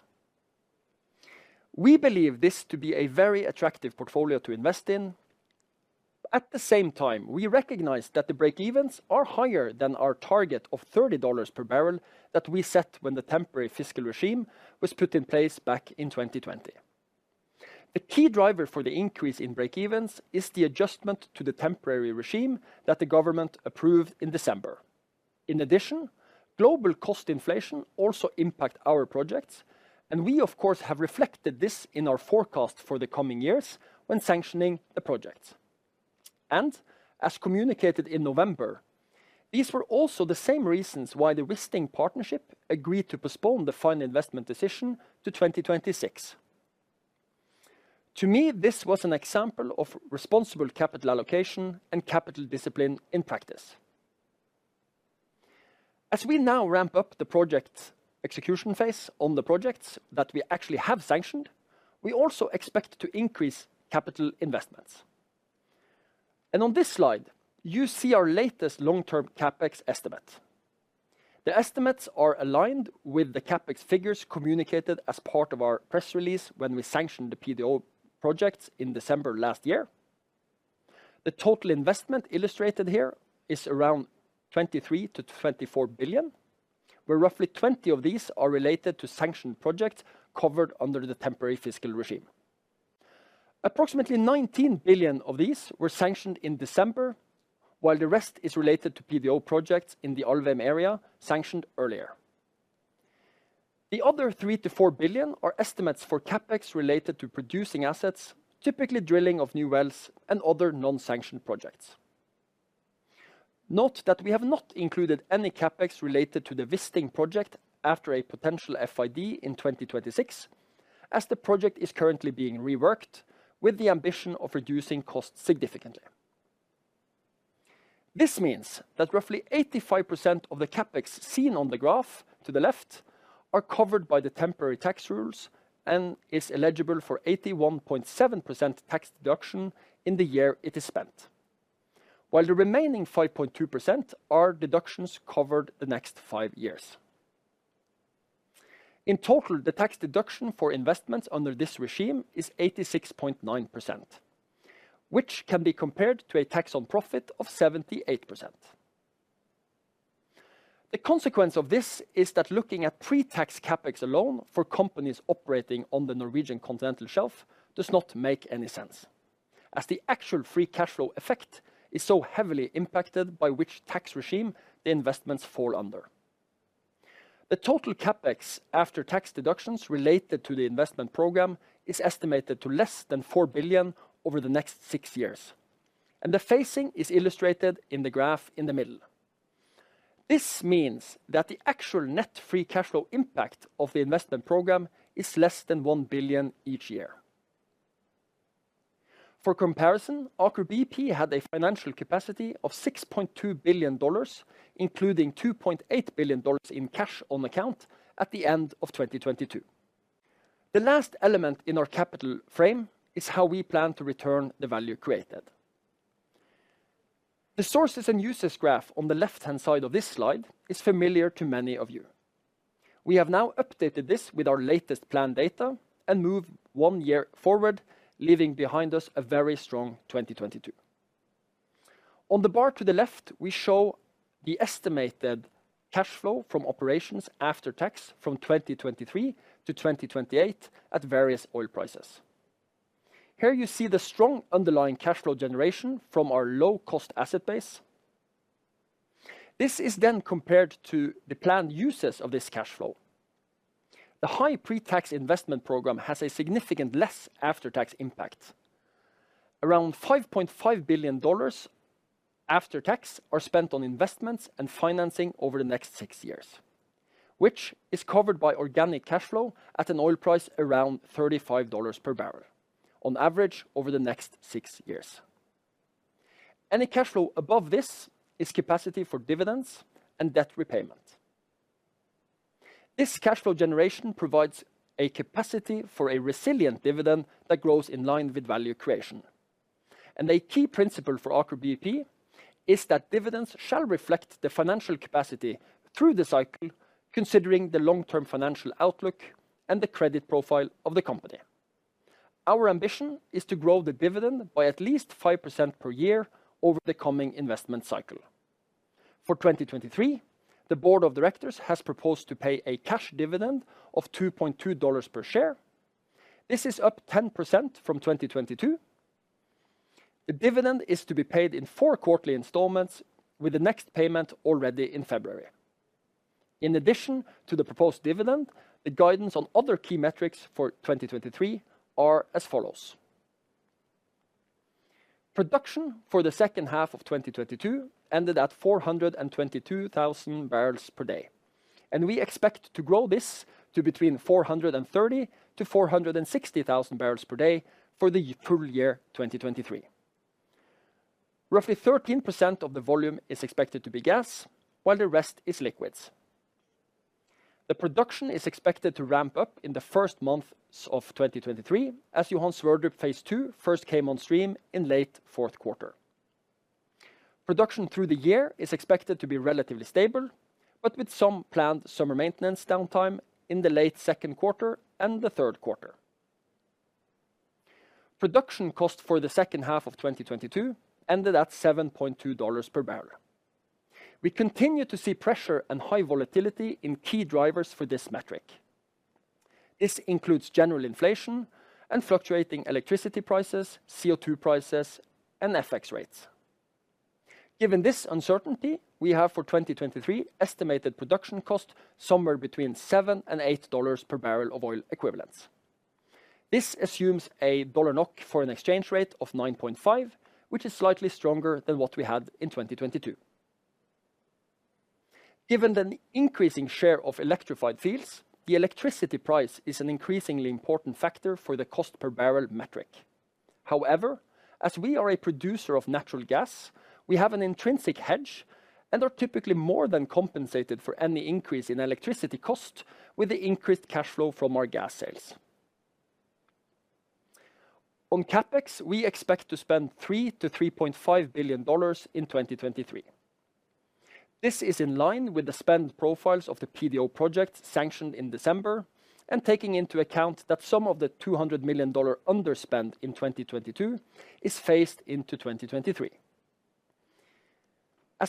We believe this to be a very attractive portfolio to invest in. At the same time, we recognize that the break-evens are higher than our target of $30 per barrel that we set when the temporary fiscal regime was put in place back in 2020. The key driver for the increase in break-evens is the adjustment to the temporary regime that the government approved in December. In addition, global cost inflation also impact our projects, and we of course have reflected this in our forecast for the coming years when sanctioning the projects. As communicated in November, these were also the same reasons why the Wisting partnership agreed to postpone the final investment decision to 2026. To me, this was an example of responsible capital allocation and capital discipline in practice. As we now ramp up the project execution phase on the projects that we actually have sanctioned, we also expect to increase capital investments. On this slide, you see our latest long-term CapEx estimate. The estimates are aligned with the CapEx figures communicated as part of our press release when we sanctioned the PDO projects in December last year. The total investment illustrated here is around $23 billion-$24 billion, where roughly $20 billion of these are related to sanctioned projects covered under the temporary fiscal regime. Approximately $19 billion of these were sanctioned in December, while the rest is related to PDO projects in the Alvheim area sanctioned earlier. The other $3 billion-$4 billion are estimates for CapEx related to producing assets, typically drilling of new wells and other non-sanctioned projects. Note that we have not included any CapEx related to the Wisting project after a potential FID in 2026, as the project is currently being reworked with the ambition of reducing costs significantly. This means that roughly 85% of the CapEx seen on the graph to the left are covered by the temporary tax rules and is eligible for 81.7% tax deduction in the year it is spent. While the remaining 5.2% are deductions covered the next five years. In total, the tax deduction for investments under this regime is 86.9%, which can be compared to a tax on profit of 78%. The consequence of this is that looking at pre-tax CapEx alone for companies operating on the Norwegian continental shelf does not make any sense, as the actual free cash flow effect is so heavily impacted by which tax regime the investments fall under. The total CapEx after tax deductions related to the investment program is estimated to less than $4 billion over the next six years, and the phasing is illustrated in the graph in the middle. This means that the actual net free cash flow impact of the investment program is less than $1 billion each year. For comparison, Aker BP had a financial capacity of $6.2 billion, including $2.8 billion in cash on account at the end of 2022. The last element in our capital frame is how we plan to return the value created. The sources and uses graph on the left-hand side of this slide is familiar to many of you. We have now updated this with our latest plan data and moved one year forward, leaving behind us a very strong 2022. On the bar to the left, we show the estimated cash flow from operations after tax from 2023-2028 at various oil prices. Here you see the strong underlying cash flow generation from our low-cost asset base. This is then compared to the planned uses of this cash flow. The high pre-tax investment program has a significant less after-tax impact. Around $5.5 billion after tax are spent on investments and financing over the next six years, which is covered by organic cash flow at an oil price around $35 per barrel on average over the next six years. Any cash flow above this is capacity for dividends and debt repayment. This cash flow generation provides a capacity for a resilient dividend that grows in line with value creation. A key principle for Aker BP is that dividends shall reflect the financial capacity through the cycle, considering the long-term financial outlook and the credit profile of the company. Our ambition is to grow the dividend by at least 5% per year over the coming investment cycle. For 2023, the board of directors has proposed to pay a cash dividend of $2.2 per share. This is up 10% from 2022. The dividend is to be paid in four quarterly installments, with the next payment already in February. In addition to the proposed dividend, the guidance on other key metrics for 2023 are as follows. Production for the second half of 2022 ended at 422,000 barrels per day. We expect to grow this to between 430,000-460,000 barrels per day for the full year 2023. Roughly 13% of the volume is expected to be gas, while the rest is liquids. The production is expected to ramp up in the first months of 2023, as Johan Sverdrup phase II first came on stream in late fourth quarter. Production through the year is expected to be relatively stable, with some planned summer maintenance downtime in the late second quarter and the third quarter. Production cost for the second half of 2022 ended at $7.2 per barrel. We continue to see pressure and high volatility in key drivers for this metric. This includes general inflation and fluctuating electricity prices, CO2 prices, and FX rates. Given this uncertainty, we have for 2023 estimated production cost somewhere between $7 and $8 per barrel of oil equivalents. This assumes a dollar NOK for an exchange rate of 9.5, which is slightly stronger than what we had in 2022. Given an increasing share of electrified fields, the electricity price is an increasingly important factor for the cost per barrel metric. However, as we are a producer of natural gas, we have an intrinsic hedge and are typically more than compensated for any increase in electricity cost with the increased cash flow from our gas sales. On CapEx, we expect to spend $3 billion-$3.5 billion in 2023. This is in line with the spend profiles of the PDO project sanctioned in December and taking into account that some of the $200 million underspend in 2022 is phased into 2023.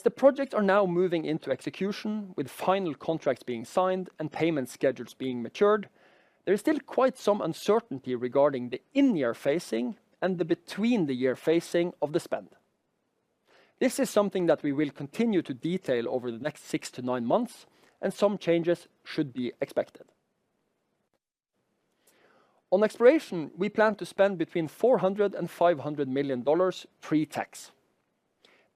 The projects are now moving into execution, with final contracts being signed and payment schedules being matured, there is still quite some uncertainty regarding the in-year phasing and the between the year phasing of the spend. This is something that we will continue to detail over the next six-nine months, some changes should be expected. On exploration, we plan to spend between $400 million-$500 million pre-tax.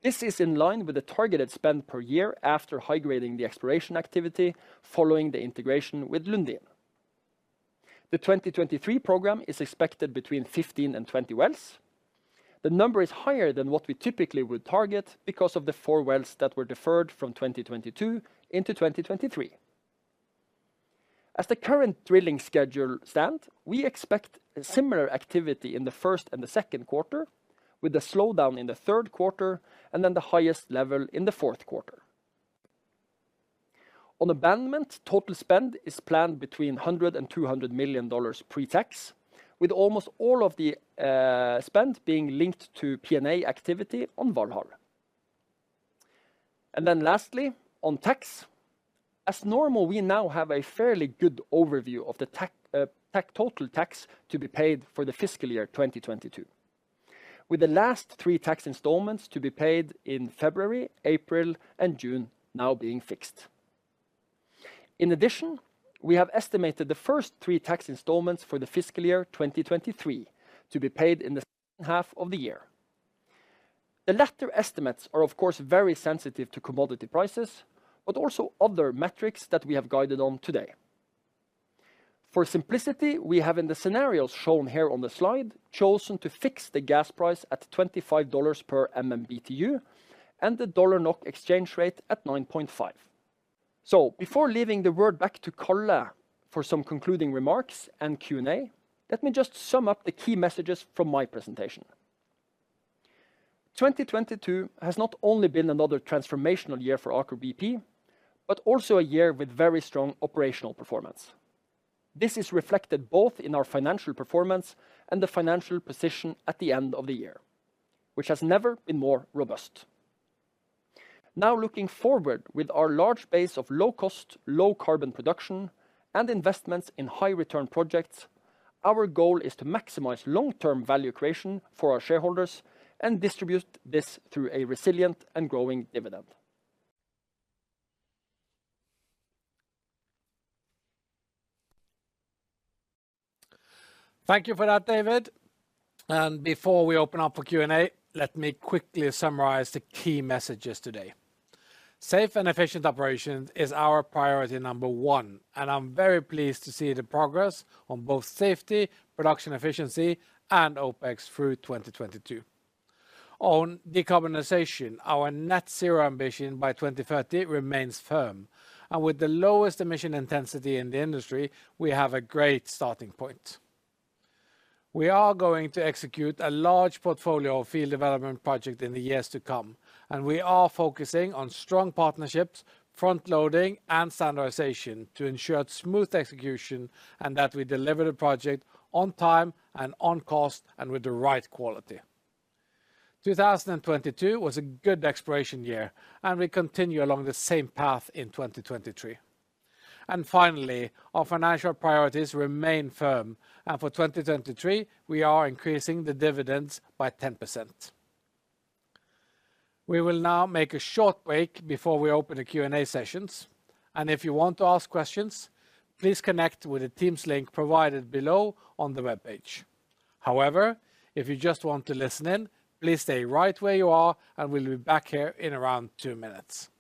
This is in line with the targeted spend per year after high-grading the exploration activity following the integration with Lundin. The 2023 program is expected between 15 and 20 wells. The number is higher than what we typically would target because of the four wells that were deferred from 2022 into 2023. As the current drilling schedule stand, we expect similar activity in the first and the second quarter, with the slowdown in the third quarter and then the highest level in the fourth quarter. On abandonment, total spend is planned between $100 million-$200 million pre-tax, with almost all of the spend being linked to PNA activity on Valhall. Lastly, on tax, as normal, we now have a fairly good overview of the total tax to be paid for the fiscal year 2022, with the last three tax installments to be paid in February, April, and June now being fixed. We have estimated the first three tax installments for the fiscal year 2023 to be paid in the second half of the year. The latter estimates are of course very sensitive to commodity prices, but also other metrics that we have guided on today. For simplicity, we have in the scenarios shown here on the slide, chosen to fix the gas price at $25 per MMBTU and the dollar NOK exchange rate at 9.5. Before leaving the word back to Karl for some concluding remarks and Q&A, let me just sum up the key messages from my presentation. 2022 has not only been another transformational year for Aker BP, but also a year with very strong operational performance. This is reflected both in our financial performance and the financial position at the end of the year, which has never been more robust. Looking forward with our large base of low cost, low carbon production and investments in high return projects. Our goal is to maximize long-term value creation for our shareholders and distribute this through a resilient and growing dividend. Thank you for that, David. Before we open up for Q&A, let me quickly summarize the key messages today. Safe and efficient operations is our priority number one, and I'm very pleased to see the progress on both safety, production efficiency, and OpEx through 2022. On decarbonization, our net zero ambition by 2030 remains firm, and with the lowest emission intensity in the industry, we have a great starting point. We are going to execute a large portfolio of field development project in the years to come, and we are focusing on strong partnerships, front-loading, and standardization to ensure smooth execution, and that we deliver the project on time and on cost, and with the right quality. 2022 was a good exploration year, and we continue along the same path in 2023. Finally, our financial priorities remain firm. For 2023, we are increasing the dividends by 10%. We will now make a short break before we open the Q&A sessions. If you want to ask questions, please connect with the Teams link provided below on the webpage. However, if you just want to listen in, please stay right where you are, and we'll be back here in around two minutes.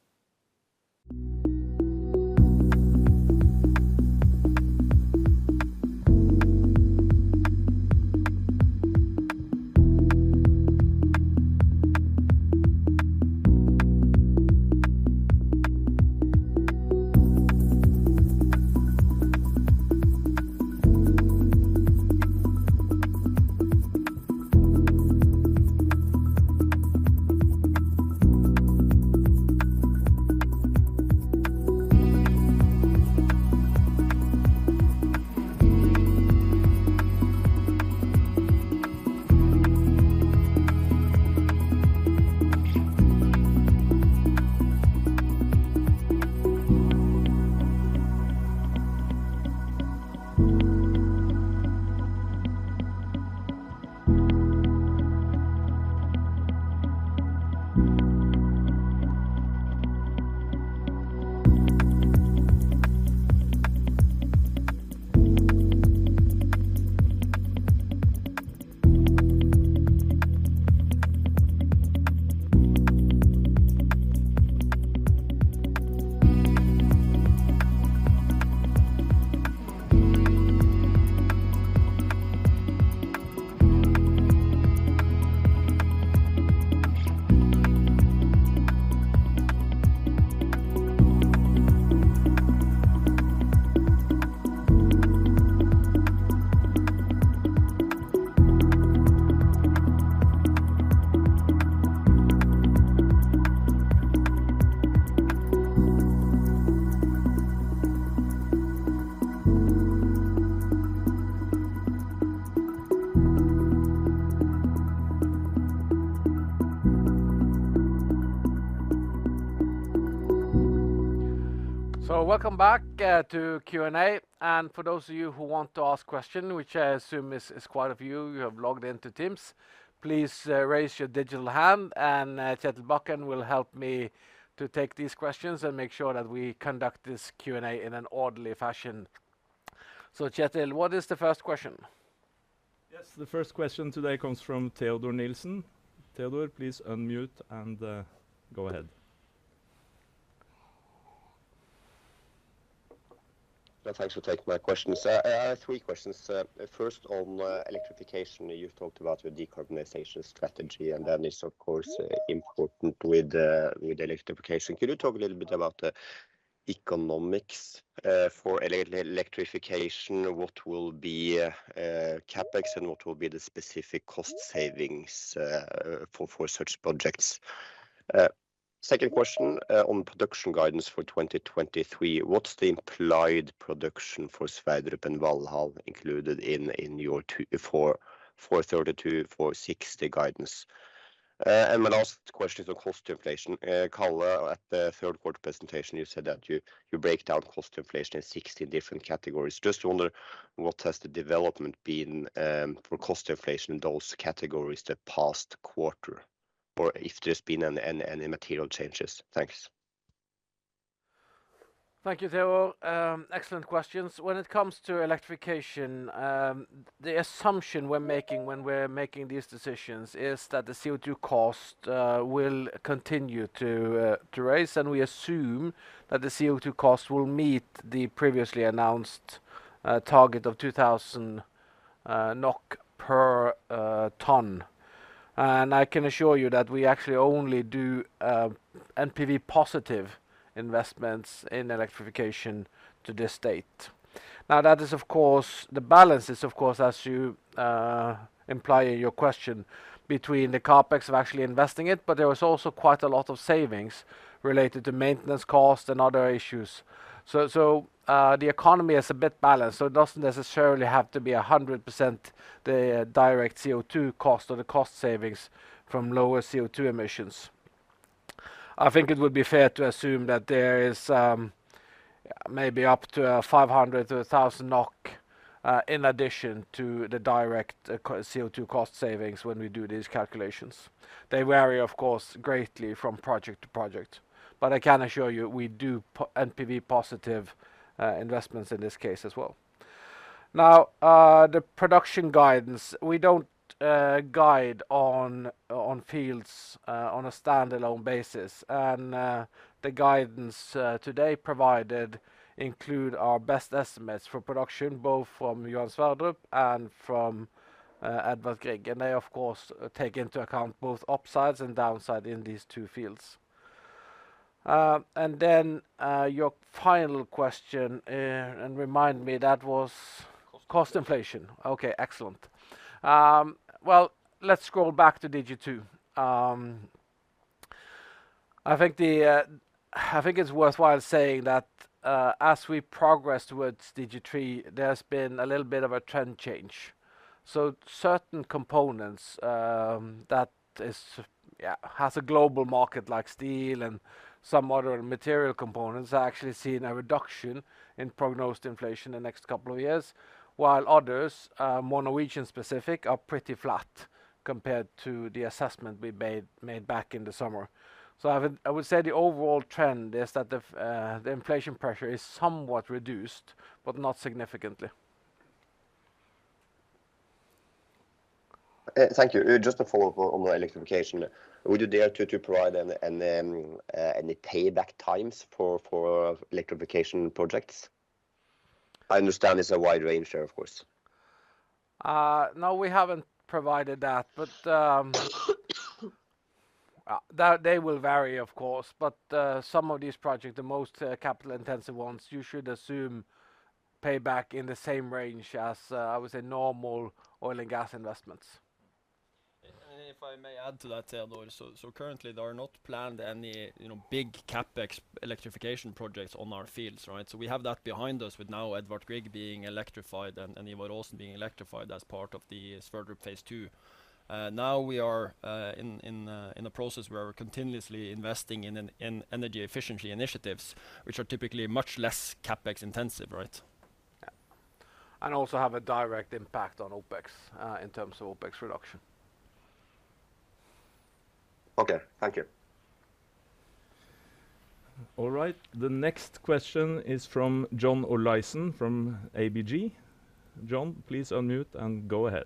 Welcome back to Q&A. For those of you who want to ask question, which I assume is quite a few, you have logged in to Teams, please raise your digital hand and Kjetil Bakken will help me to take these questions and make sure that we conduct this Q&A in an orderly fashion. Kjetil, what is the first question? Yes. The first question today comes from Teodor Sveen-Nilsen. Teodor, please unmute and go ahead. Yeah, thanks for taking my questions. I have three questions. First on electrification. You've talked about your decarbonization strategy, that is of course important with electrification. Could you talk a little bit about the economics for electrification? What will be CapEx, and what will be the specific cost savings for such projects? Second question on production guidance for 2023. What's the implied production for Sverdrup and Valhall included in your 32-60 guidance? My last question is on cost inflation. Karl, at the third quarter presentation, you said that you break down cost inflation in 60 different categories. Just wonder what has the development been for cost inflation in those categories the past quarter, or if there's been any material changes? Thanks. Thank you, Teodor. Excellent questions. When it comes to electrification, the assumption we're making when we're making these decisions is that the CO2 cost will continue to raise, and we assume that the CO2 cost will meet the previously announced target of 2,000 NOK per ton. I can assure you that we actually only do NPV-positive investments in electrification to this date. That is of course the balance is of course, as you imply in your question between the CapEx of actually investing it, but there was also quite a lot of savings related to maintenance cost and other issues. The economy is a bit balanced, so it doesn't necessarily have to be 100% the direct CO2 cost or the cost savings from lower CO2 emissions. I think it would be fair to assume that there is maybe up to 500-1,000 NOK in addition to the direct CO2 cost savings when we do these calculations. They vary, of course, greatly from project to project. I can assure you, we do NPV positive investments in this case as well. Now, the production guidance, we don't guide on fields on a standalone basis. The guidance today provided include our best estimates for production, both from Johan Sverdrup and from Edvard Grieg. They, of course, take into account both upsides and downside in these two fields. Then, your final question, remind me? Cost inflation. Cost inflation. Okay, excellent. Let's scroll back to DG2. I think it's worthwhile saying that as we progress towards DG3, there's been a little bit of a trend change. Certain components that has a global market like steel and some other material components are actually seeing a reduction in prognosed inflation the next two years, while others, more Norwegian specific, are pretty flat compared to the assessment we made back in the summer. I would say the overall trend is that the inflation pressure is somewhat reduced, but not significantly. Thank you. Just to follow up on the electrification. Would you dare to provide any payback times for electrification projects? I understand it's a wide range there, of course. No, we haven't provided that, but they will vary, of course. Some of these projects, the most capital-intensive ones, you should assume payback in the same range as, I would say, normal oil and gas investments. If I may add to that, though. Currently, there are not planned any, you know, big CapEx electrification projects on our fields, right. We have that behind us with now Edvard Grieg being electrified and Ivar Aasen being electrified as part of the Sverdrup phase II. Now we are in a process where we're continuously investing in energy efficiency initiatives, which are typically much less CapEx-intensive, right. Yeah. Also have a direct impact on OpEx, in terms of OpEx reduction. Okay. Thank you. All right. The next question is from John Olaisen from ABG. John, please unmute and go ahead.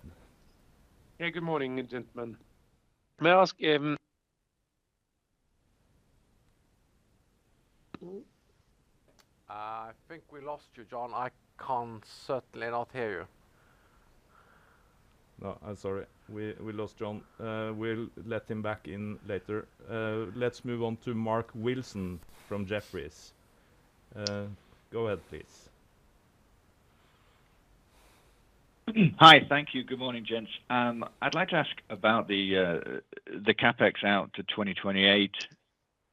Yeah, good morning, gentlemen. May I ask... I think we lost you, John. I can certainly not hear you. No, I'm sorry. We lost John. We'll let him back in later. Let's move on to Mark Wilson from Jefferies. Go ahead, please. Hi. Thank you. Good morning, gents. I'd like to ask about the CapEx out to 2028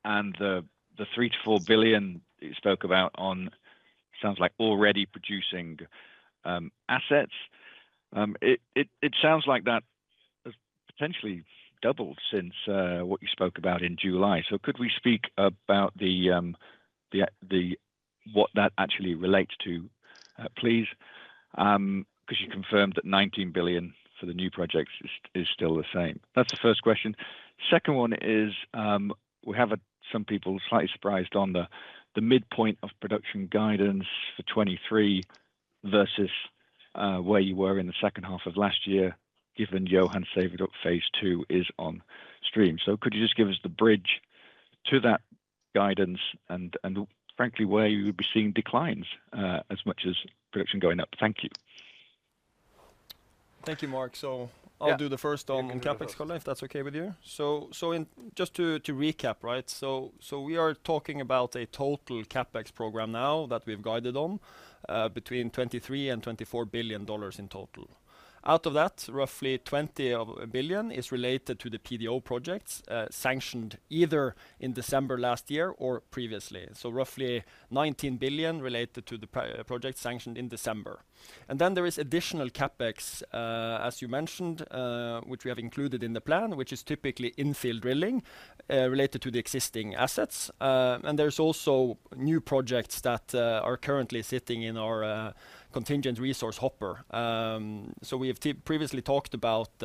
and the $3 billion-$4 billion you spoke about on, sounds like already producing assets. It sounds like that has potentially doubled since what you spoke about in July. Could we speak about the, what that actually relates to, please? 'cause you confirmed that $19 billion for the new projects is still the same. That's the first question. Second one is, we have some people slightly surprised on the midpoint of production guidance for 2023 versus where you were in the 2H of last year, given Johan Sverdrup phase II is on stream. Could you just give us the bridge to that guidance and frankly, where you would be seeing declines, as much as production going up? Thank you. Thank you, Mark. I'll do the first on CapEx call if that's okay with you. Just to recap, right? We are talking about a total CapEx program now that we've guided on between $23 billion and $24 billion in total. Out of that, roughly $20 billion is related to the PDO projects sanctioned either in December last year or previously. Roughly $19 billion related to the project sanctioned in December. There is additional CapEx, as you mentioned, which we have included in the plan, which is typically infill drilling related to the existing assets. There's also new projects that are currently sitting in our contingent resource hopper. We have previously talked about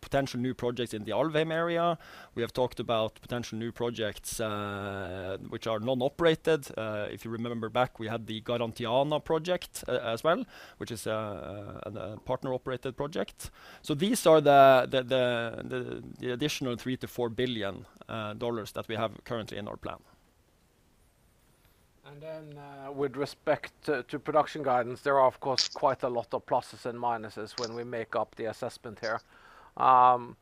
potential new projects in the Alvheim area. We have talked about potential new projects, which are non-operated. If you remember back, we had the Garantiana project as well, which is the partner-operated project. These are the additional $3 billion-$4 billion that we have currently in our plan. With respect to production guidance, there are, of course, quite a lot of pluses and minuses when we make up the assessment here. And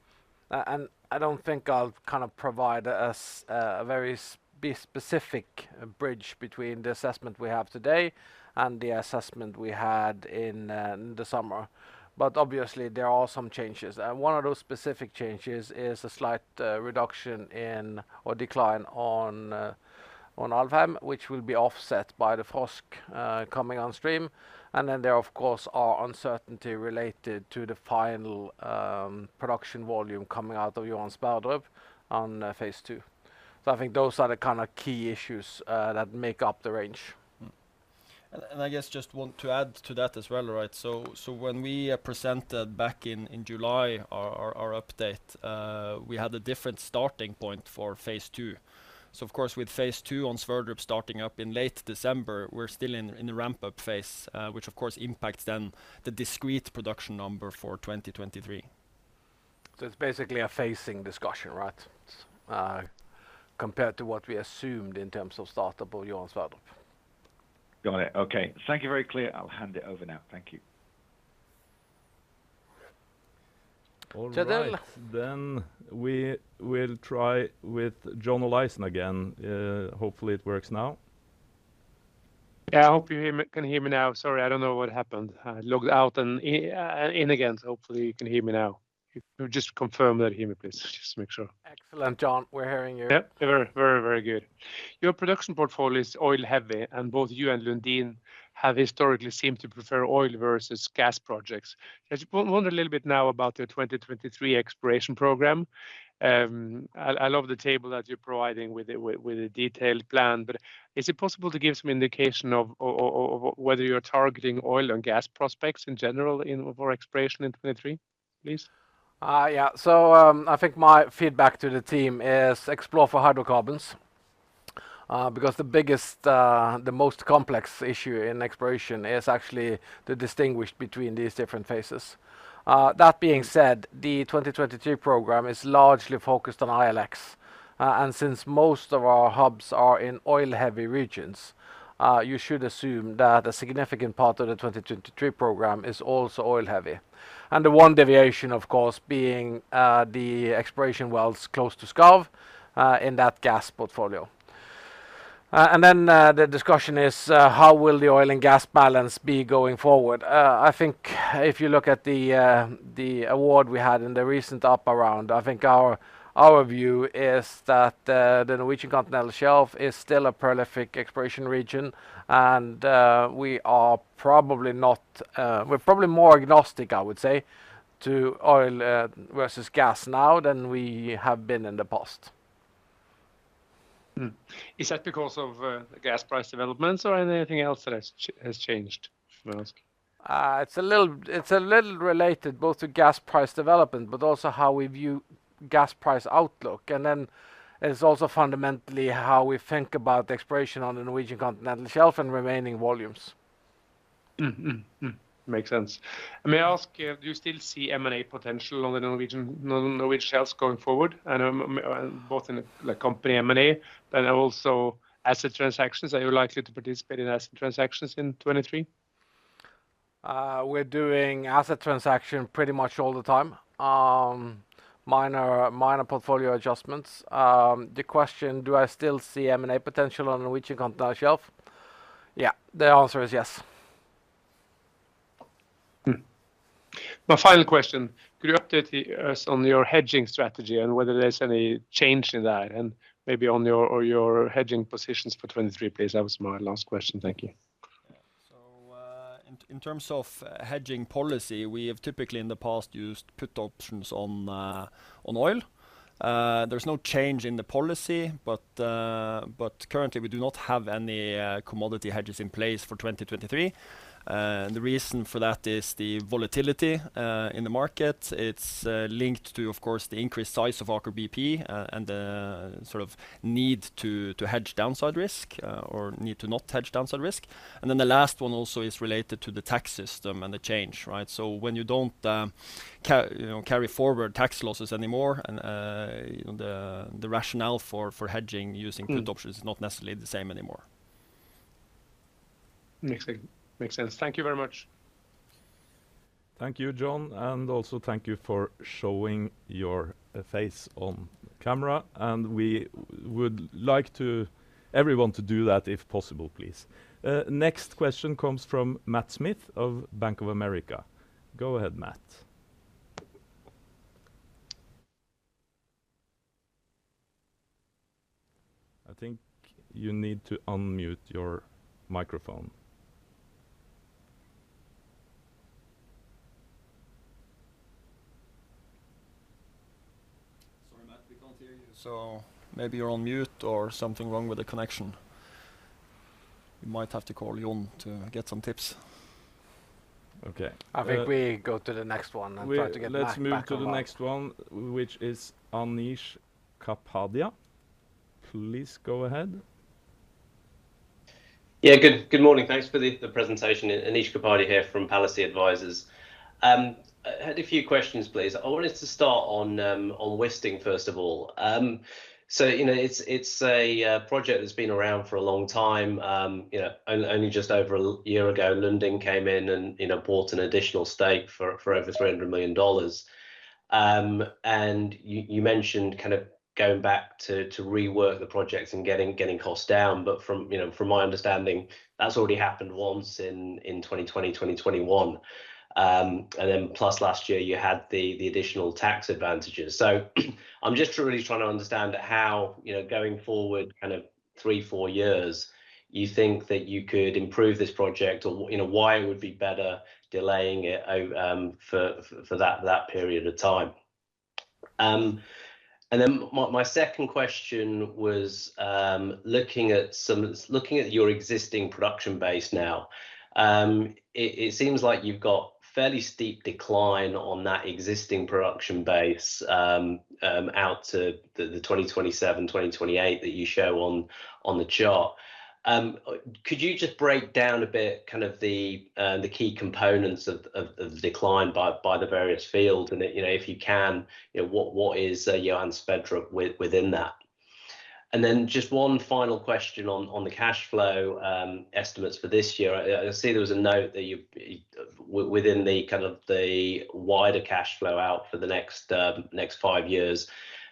I don't think I'll kind of provide a very specific bridge between the assessment we have today and the assessment we had in the summer. Obviously, there are some changes. One of those specific changes is a slight reduction in or decline on Alvheim, which will be offset by the Frosk coming on stream. There of course are uncertainty related to the final production volume coming out of Johan Sverdrup on phase two. I think those are the kind of key issues that make up the range. I guess just want to add to that as well, right? When we presented back in July our update, we had a different starting point for phase II. Of course with phase II on Sverdrup starting up in late December, we're still in the ramp-up phase, which of course impacts then the discrete production number for 2023. It's basically a phasing discussion, right? compared to what we assumed in terms of startup of Johan Sverdrup. Got it. Okay. Thank you. Very clear. I'll hand it over now. Thank you. So then- All right. We will try with John Olaisen again. Hopefully it works now. Yeah, I hope you hear me, can hear me now. Sorry, I don't know what happened. I logged out and in again, hopefully you can hear me now. If you just confirm that you hear me please, just to make sure. Excellent, John. We're hearing you. Yep. Very good. Your production portfolio is oil heavy, and both you and Lundin have historically seemed to prefer oil versus gas projects. I just wonder a little bit now about the 2023 exploration program. I love the table that you're providing with a detailed plan, but is it possible to give some indication of whether you're targeting oil or gas prospects in general in, for exploration in 2023, please? Yeah, I think my feedback to the team is explore for hydrocarbons, because the biggest, the most complex issue in exploration is actually to distinguish between these different phases. That being said, the 2023 program is largely focused on ILX, and since most of our hubs are in oil-heavy regions, you should assume that a significant part of the 2023 program is also oil heavy. The one deviation, of course, being the exploration wells close to Skarv, in that gas portfolio. The discussion is how will the oil and gas balance be going forward? I think if you look at the the award we had in the recent offer round, I think our view is that the Norwegian Continental Shelf is still a prolific exploration region and we are probably not, we're probably more agnostic, I would say, to oil versus gas now than we have been in the past. Is that because of the gas price developments or anything else that has changed, should I ask? It's a little related both to gas price development, but also how we view gas price outlook, and then it's also fundamentally how we think about exploration on the Norwegian Continental Shelf and remaining volumes. Makes sense. May I ask, do you still see M&A potential on the Norwegian shelves going forward? Both in the, like, company M&A but also asset transactions. Are you likely to participate in asset transactions in 2023? We're doing asset transaction pretty much all the time. Minor portfolio adjustments. The question, do I still see M&A potential on the Norwegian Continental Shelf? Yeah. The answer is yes. My final question, could you update us on your hedging strategy and whether there's any change in that? Maybe on your hedging positions for 2023, please? That was my last question. Thank you. In terms of hedging policy, we have typically in the past used put options on oil. There's no change in the policy, but currently we do not have any commodity hedges in place for 2023. The reason for that is the volatility in the market. It's linked to, of course, the increased size of Aker BP, and the sort of need to hedge downside risk, or need to not hedge downside risk. Then the last one also is related to the tax system and the change, right? When you don't, you know, carry forward tax losses anymore and, you know, the rationale for hedging using put options- Mm is not necessarily the same anymore. Makes sense. Thank you very much. Thank you, John. Also thank you for showing your face on camera. We would like to everyone to do that if possible, please. Next question comes from Matt Smith of Bank of America. Go ahead, Matt. I think you need to unmute your microphone. Sorry, Matt, we can't hear you. Maybe you're on mute or something wrong with the connection. We might have to call Jon to get some tips. Okay. I think we go to the next one and try to get Matt back online. Let's move to the next one, which is Anish Kapadia. Please go ahead. Yeah. Good morning. Thanks for the presentation. Anish Kapadia here from Palissy Advisors. Had a few questions, please. I wanted to start on Wisting, first of all. So, you know, it's a project that's been around for a long time. You know, only just over a year ago, Lundin came in and, you know, bought an additional stake for over $300 million. You mentioned kind of going back to rework the projects and getting costs down. But from, you know, from my understanding, that's already happened once in 2020, 2021. Then plus last year you had the additional tax advantages. I'm just really trying to understand how, you know, going forward kind of three, four years, you think that you could improve this project or, you know, why it would be better delaying it for that period of time? My second question was, looking at your existing production base now, it seems like you've got fairly steep decline on that existing production base out to the 2027, 2028 that you show on the chart. Could you just break down a bit kind of the key components of the decline by the various fields? And, you know, if you can, you know, what is Johan Sverdrup within that? Then just one final question on the cash flow, estimates for this year. I see there was a note that within the kind of the wider cash flow out for the next five years,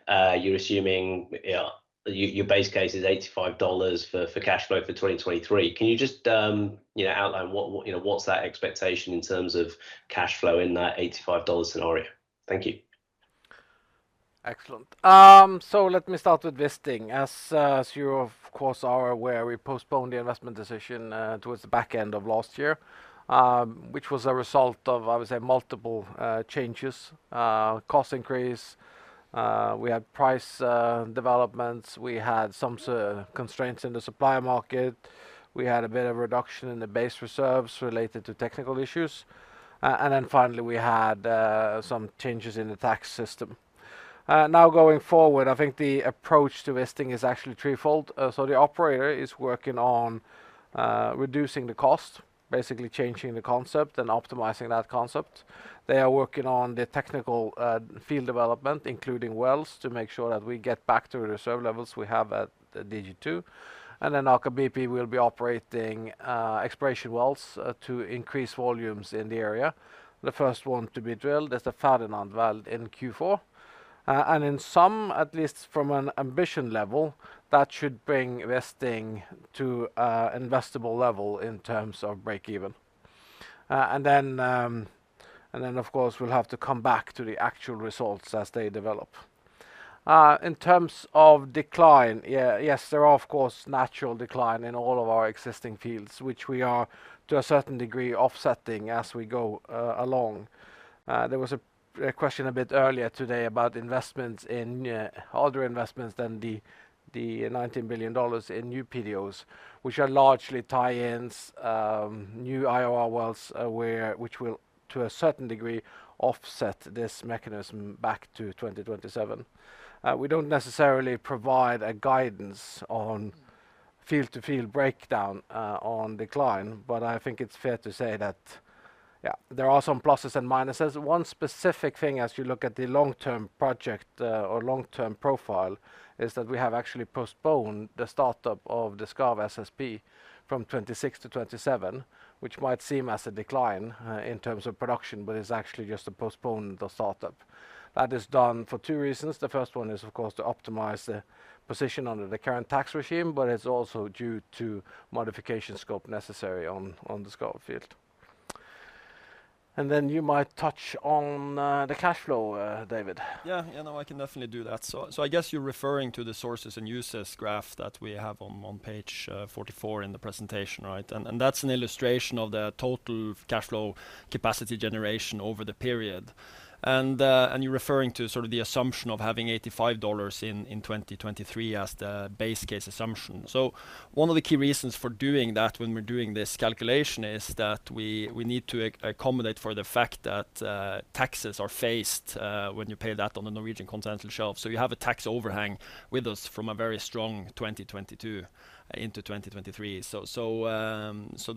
you're assuming, yeah, your base case is $85 for cash flow for 2023. Can you just, you know, outline what, you know, what's that expectation in terms of cash flow in that $85 scenario? Thank you. Excellent. Let me start with Wisting. As you of course are aware, we postponed the investment decision towards the back end of last year, which was a result of, I would say, multiple changes. Cost increase, we had price developments, we had some constraints in the supply market, we had a bit of reduction in the base reserves related to technical issues, and then finally we had some changes in the tax system. Now going forward, I think the approach to Wisting is actually threefold. The operator is working on reducing the cost, basically changing the concept and optimizing that concept. They are working on the technical field development, including wells, to make sure that we get back to the reserve levels we have at DG2. Aker BP will be operating exploration wells to increase volumes in the area. The first one to be drilled is the Ferdinand well in Q4. In sum, at least from an ambition level, that should bring Wisting to an investable level in terms of break even. Then of course, we'll have to come back to the actual results as they develop. In terms of decline, yes, there are of course natural decline in all of our existing fields, which we are to a certain degree offsetting as we go along. There was a question a bit earlier today about investments in other investments than the $19 billion in new PDOs, which are largely tie-ins, new IOR wells, which will to a certain degree offset this mechanism back to 2027. We don't necessarily provide a guidance on field-to-field breakdown on decline, but I think it's fair to say that, yeah, there are some pluses and minuses. One specific thing as you look at the long-term project or long-term profile is that we have actually postponed the startup of the Skarv SSP from 2026 to 2027, which might seem as a decline in terms of production, but it's actually just to postpone the startup. That is done for two reasons. The first one is, of course, to optimize the position under the current tax regime, but it's also due to modification scope necessary on the Skarv field. You might touch on the cash flow, David. Yeah, no, I can definitely do that. I guess you're referring to the sources and uses graph that we have on page 44 in the presentation, right? That's an illustration of the total cash flow capacity generation over the period. You're referring to sort of the assumption of having $85 in 2023 as the base case assumption. One of the key reasons for doing that when we're doing this calculation is that we need to accommodate for the fact that taxes are faced when you pay that on the Norwegian Continental Shelf. You have a tax overhang with us from a very strong 2022 into 2023.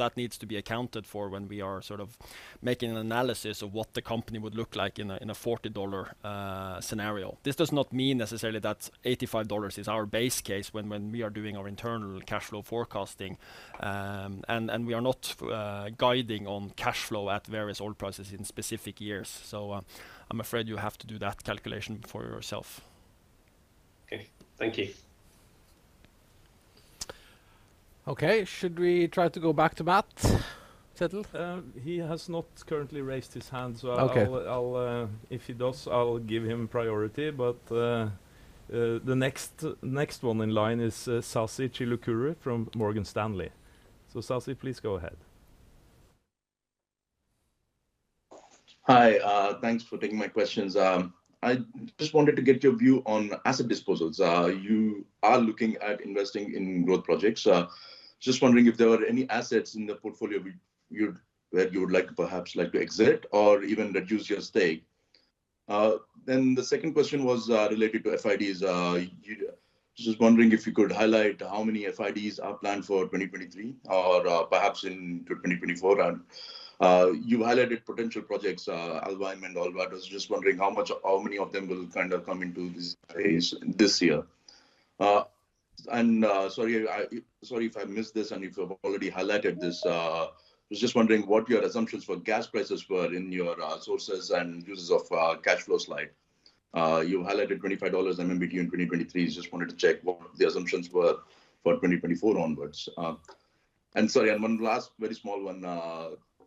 That needs to be accounted for when we are sort of making an analysis of what the company would look like in a $40 scenario. This does not mean necessarily that $85 is our base case when we are doing our internal cash flow forecasting. We are not guiding on cash flow at various oil prices in specific years. I'm afraid you have to do that calculation for yourself. Okay. Thank you. Okay. Should we try to go back to Matt, Kjetil? He has not currently raised his hand, so. Okay. I'll, if he does, I'll give him priority. The next one in line is Sasikanth Chilukuru from Morgan Stanley. Sasi, please go ahead. Hi. Thanks for taking my questions. I just wanted to get your view on asset disposals. You are looking at investing in growth projects. Just wondering if there were any assets in the portfolio you would perhaps like to exit or even reduce your stake. The second question was related to FIDs. Just wondering if you could highlight how many FIDs are planned for 2023 or perhaps into 2024. You highlighted potential projects, Alvheim and Alvheim. I was just wondering how many of them will kind of come into this phase this year. Sorry if I missed this and if you have already highlighted this. Was just wondering what your assumptions for gas prices were in your sources and uses of cash flow slide. You highlighted $25 MMBtu in 2023. Just wanted to check what the assumptions were for 2024 onwards. Sorry, and one last very small one.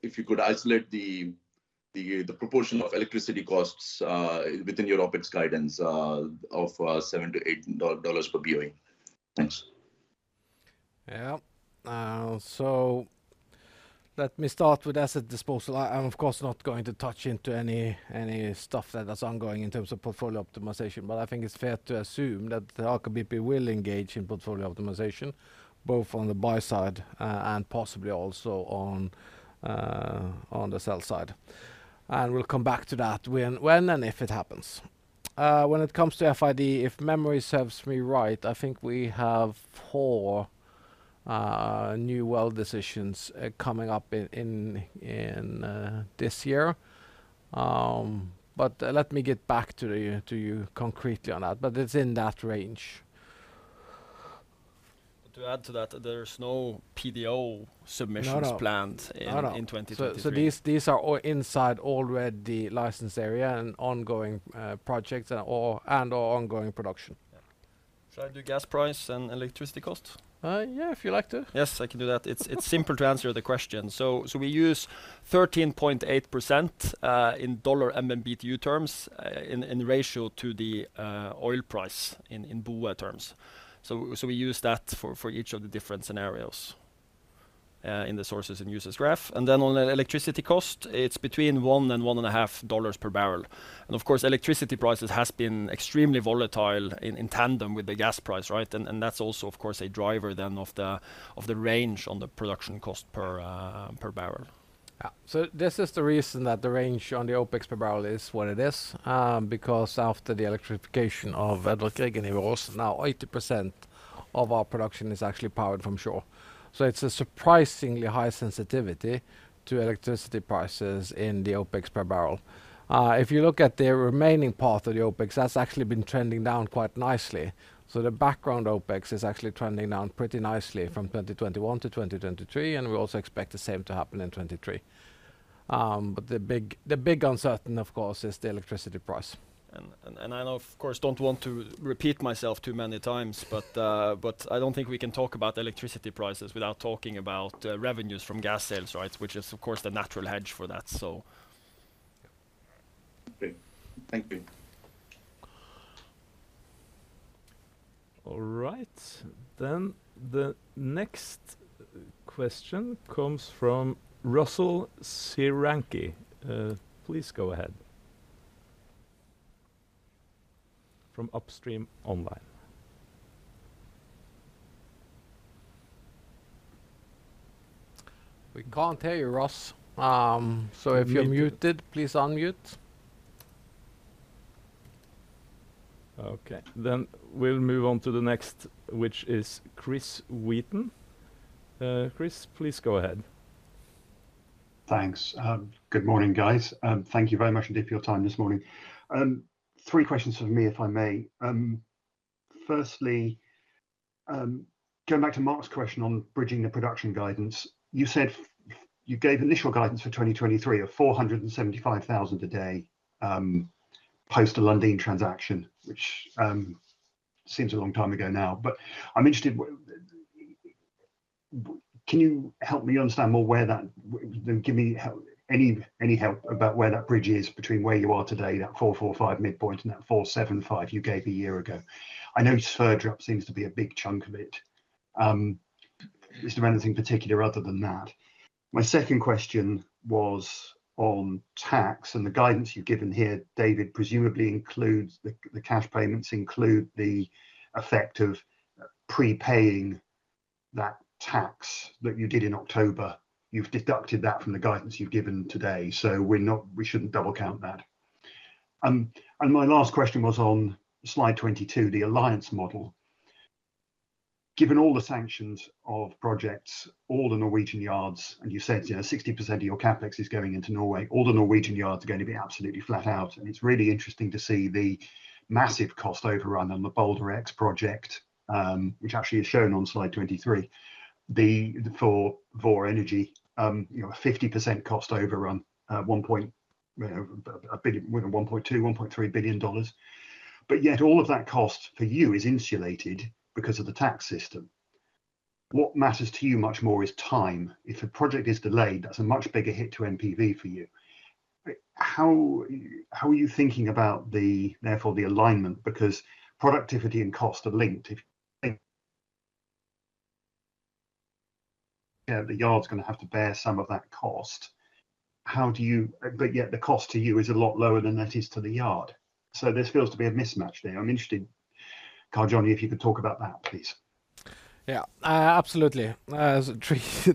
If you could isolate the proportion of electricity costs within your OpEx guidance of $7-$8 per BOE. Thanks. Let me start with asset disposal. I'm of course not going to touch into any stuff that is ongoing in terms of portfolio optimization, but I think it's fair to assume that Aker BP will engage in portfolio optimization, both on the buy side and possibly also on the sell side. We'll come back to that when and if it happens. When it comes to FID, if memory serves me right, I think we have four new well decisions coming up in this year. Let me get back to you concretely on that, but it's in that range. To add to that, there's no PDO submissions... No, no. planned in No, no. in 2023. These are all inside already licensed area and ongoing projects and/or ongoing production. Yeah. Shall I do gas price and electricity cost? Yeah, if you'd like to. Yes, I can do that. It's simple to answer the question. We use 13.8% in dollar MMBtu terms in ratio to the oil price in BOE terms. We use that for each of the different scenarios in the sources and users graph. Then on the electricity cost, it's between one and one and a half dollars per barrel. Of course, electricity prices has been extremely volatile in tandem with the gas price, right? That's also of course a driver then of the range on the production cost per barrel. Yeah. This is the reason that the range on the OpEx per barrel is what it is, because after the electrification of Edvard Grieg and Ivar Aasen, now 80% of our production is actually powered from shore. It's a surprisingly high sensitivity to electricity prices in the OpEx per barrel. If you look at the remaining part of the OpEx, that's actually been trending down quite nicely. The background OpEx is actually trending down pretty nicely from 2021 to 2023, and we also expect the same to happen in 2023. The big uncertain of course, is the electricity price. I of course don't want to repeat myself too many times, but I don't think we can talk about electricity prices without talking about revenues from gas sales, right? Which is of course the natural hedge for that, so. Okay. Thank you. All right. The next question comes from Russell Searancke. Please go ahead. From Upstream Online. We can't hear you, Russ. If you're muted, please unmute. Okay. We'll move on to the next, which is Chris Wheaton. Chris, please go ahead. Thanks. Good morning, guys. Thank you very much indeed for your time this morning. Three questions from me, if I may. Firstly, going back to Mark's question on bridging the production guidance, you gave initial guidance for 2023 of 475,000 a day, post the Lundin transaction, which seems a long time ago now. I'm interested, can you help me understand more where that give me any help about where that bridge is between where you are today, that 445 midpoint, and that 475 you gave a year ago? I know Sverdrup seems to be a big chunk of it. Is there anything particular other than that? My second question was on tax and the guidance you've given here, David, presumably includes the cash payments include the effect of prepaying that tax that you did in October. You've deducted that from the guidance you've given today. We shouldn't double count that. My last question was on slide 22, the alliance model. Given all the sanctions of projects, all the Norwegian yards, and you said, you know, 60% of your CapEx is going into Norway, all the Norwegian yards are gonna be absolutely flat out. It's really interesting to see the massive cost overrun on the Balder X project, which actually is shown on slide 23. For Vår Energi, you know, a 50% cost overrun at one point, you know, $1.2 billion, $1.3 billion. Yet all of that cost for you is insulated because of the tax system. What matters to you much more is time. If a project is delayed, that's a much bigger hit to NPV for you. How are you thinking about the, therefore the alignment? Because productivity and cost are linked. If you know, the yard's gonna have to bear some of that cost. Yet the cost to you is a lot lower than that is to the yard. There seems to be a mismatch there. I'm interested, Karl Johnny, if you could talk about that, please. Yeah. Absolutely.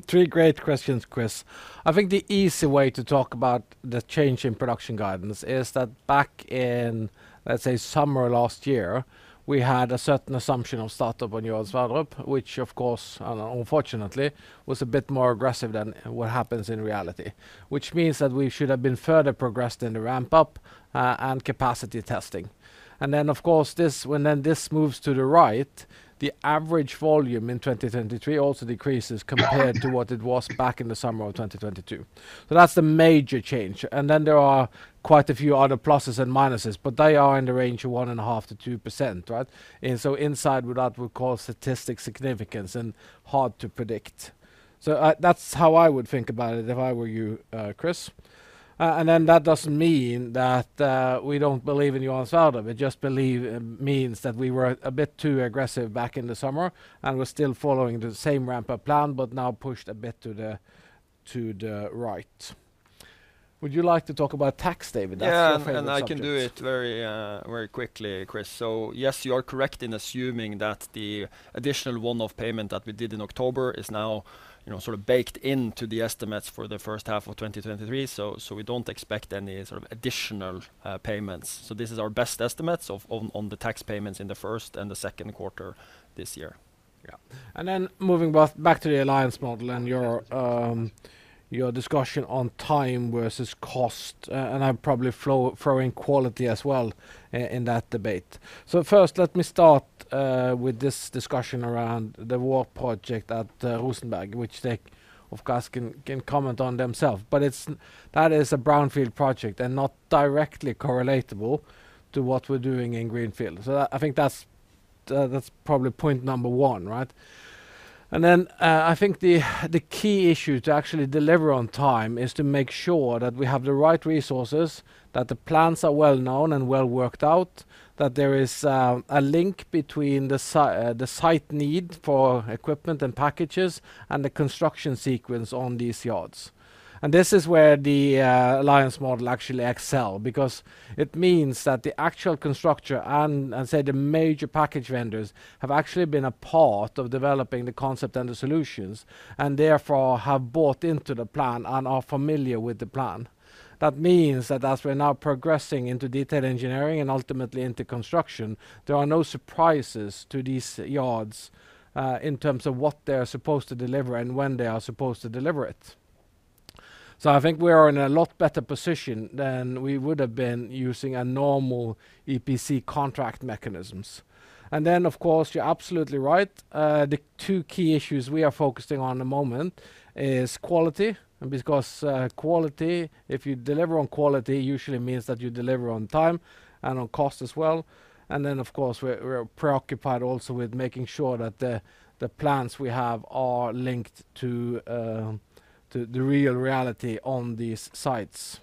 Three great questions, Chris. I think the easy way to talk about the change in production guidance is that back in, let's say summer last year, we had a certain assumption of startup on Johan Sverdrup, which of course, unfortunately was a bit more aggressive than what happens in reality. Which means that we should have been further progressed in the ramp up and capacity testing. Then of course this, when then this moves to the right, the average volume in 2023 also decreases compared to what it was back in the summer of 2022. That's the major change. Then there are quite a few other pluses and minuses, but they are in the range of 1.5%-2%, right? Inside what I would call statistical significance and hard to predict. That's how I would think about it if I were you, Chris. That doesn't mean that we don't believe in Johan Sverdrup. It just means that we were a bit too aggressive back in the summer and we're still following the same ramp-up plan, but now pushed a bit to the right. Would you like to talk about tax, David? That's your favorite subject. Yeah, I can do it very quickly, Chris. Yes, you are correct in assuming that the additional one-off payment that we did in October is now, you know, sort of baked into the estimates for the first half of 2023. We don't expect any sort of additional payments. This is our best estimates on the tax payments in the first and the second quarter this year. Yeah. Then moving both back to the alliance model and your discussion on time versus cost, and I'll probably throw in quality as well in that debate. First, let me start with this discussion around the WARP project at Rosenberg, which they of course can comment on themselves. That is a brownfield project and not directly correlatable to what we're doing in greenfield. I think the key issue to actually deliver on time is to make sure that we have the right resources, that the plans are well known and well worked out, that there is a link between the site need for equipment and packages and the construction sequence on these yards. This is where the alliance model actually excel, because it means that the actual constructor and say the major package vendors have actually been a part of developing the concept and the solutions and therefore have bought into the plan and are familiar with the plan. That means that as we're now progressing into detailed engineering and ultimately into construction, there are no surprises to these yards in terms of what they are supposed to deliver and when they are supposed to deliver it. I think we are in a lot better position than we would have been using a normal EPC contract mechanisms. Then, of course, you're absolutely right. The two key issues we are focusing on the moment is quality, because quality, if you deliver on quality, usually means that you deliver on time and on cost as well. Then, of course, we're preoccupied also with making sure that the plans we have are linked to the real reality on these sites.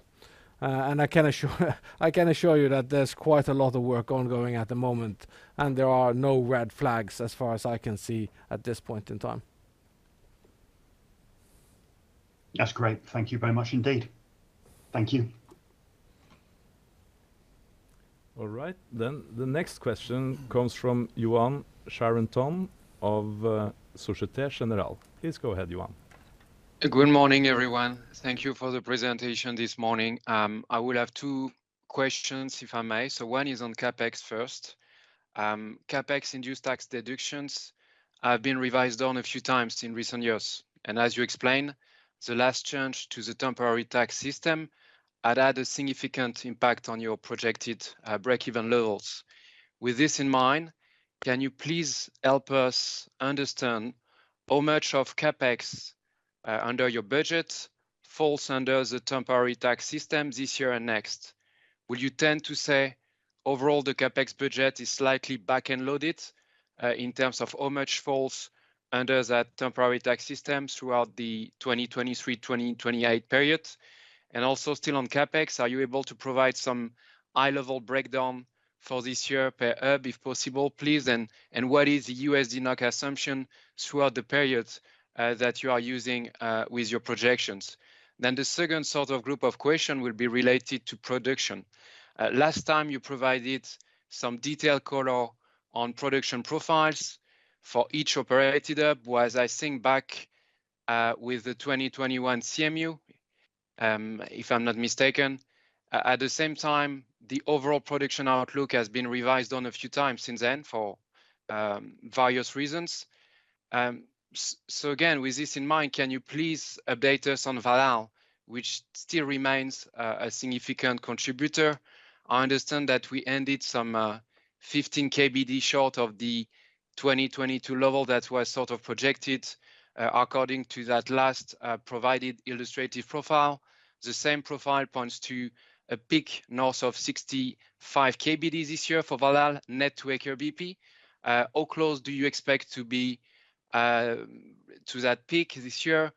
I can assure you that there's quite a lot of work ongoing at the moment, and there are no red flags as far as I can see at this point in time. That's great. Thank you very much indeed. Thank you. All right. The next question comes from Yoann Charenton of Société Générale. Please go ahead, Yoann. Good morning, everyone. Thank you for the presentation this morning. I will have two questions, if I may. One is on CapEx first. CapEx-induced tax deductions have been revised down a few times in recent years. As you explained, the last change to the temporary tax system had had a significant impact on your projected break-even levels. With this in mind, can you please help us understand how much of CapEx under your budget falls under the temporary tax system this year and next? Will you tend to say overall the CapEx budget is slightly back-end loaded in terms of how much falls under that temporary tax system throughout the 2023, 2028 period? Also still on CapEx, are you able to provide some high-level breakdown for this year per hub, if possible, please? What is the USD NOK assumption throughout the periods that you are using with your projections? The second sort of group of question will be related to production. Last time you provided some detail color on production profiles for each operated hub was, I think back, with the 2021 CMU, if I'm not mistaken. At the same time, the overall production outlook has been revised on a few times since then for various reasons. Again, with this in mind, can you please update us on Valhall, which still remains a significant contributor. I understand that we ended some 15 KBD short of the 2022 level that was sort of projected according to that last provided illustrative profile. The same profile points to a peak north of 65 KBD this year for Valhall net to Aker BP. How close do you expect to be to that peak this year?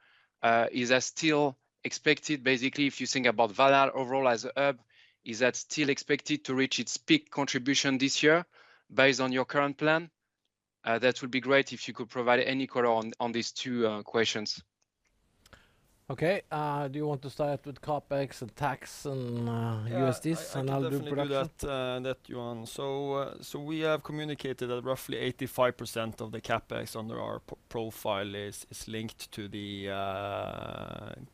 Is that still expected? Basically, if you think about Valhall overall as a hub, is that still expected to reach its peak contribution this year based on your current plan? That would be great if you could provide any color on these two questions. Do you want to start with CapEx and tax and USD and then group production? Yeah, I can definitely do that Yoann. We have communicated that roughly 85% of the CapEx under our profile is linked to the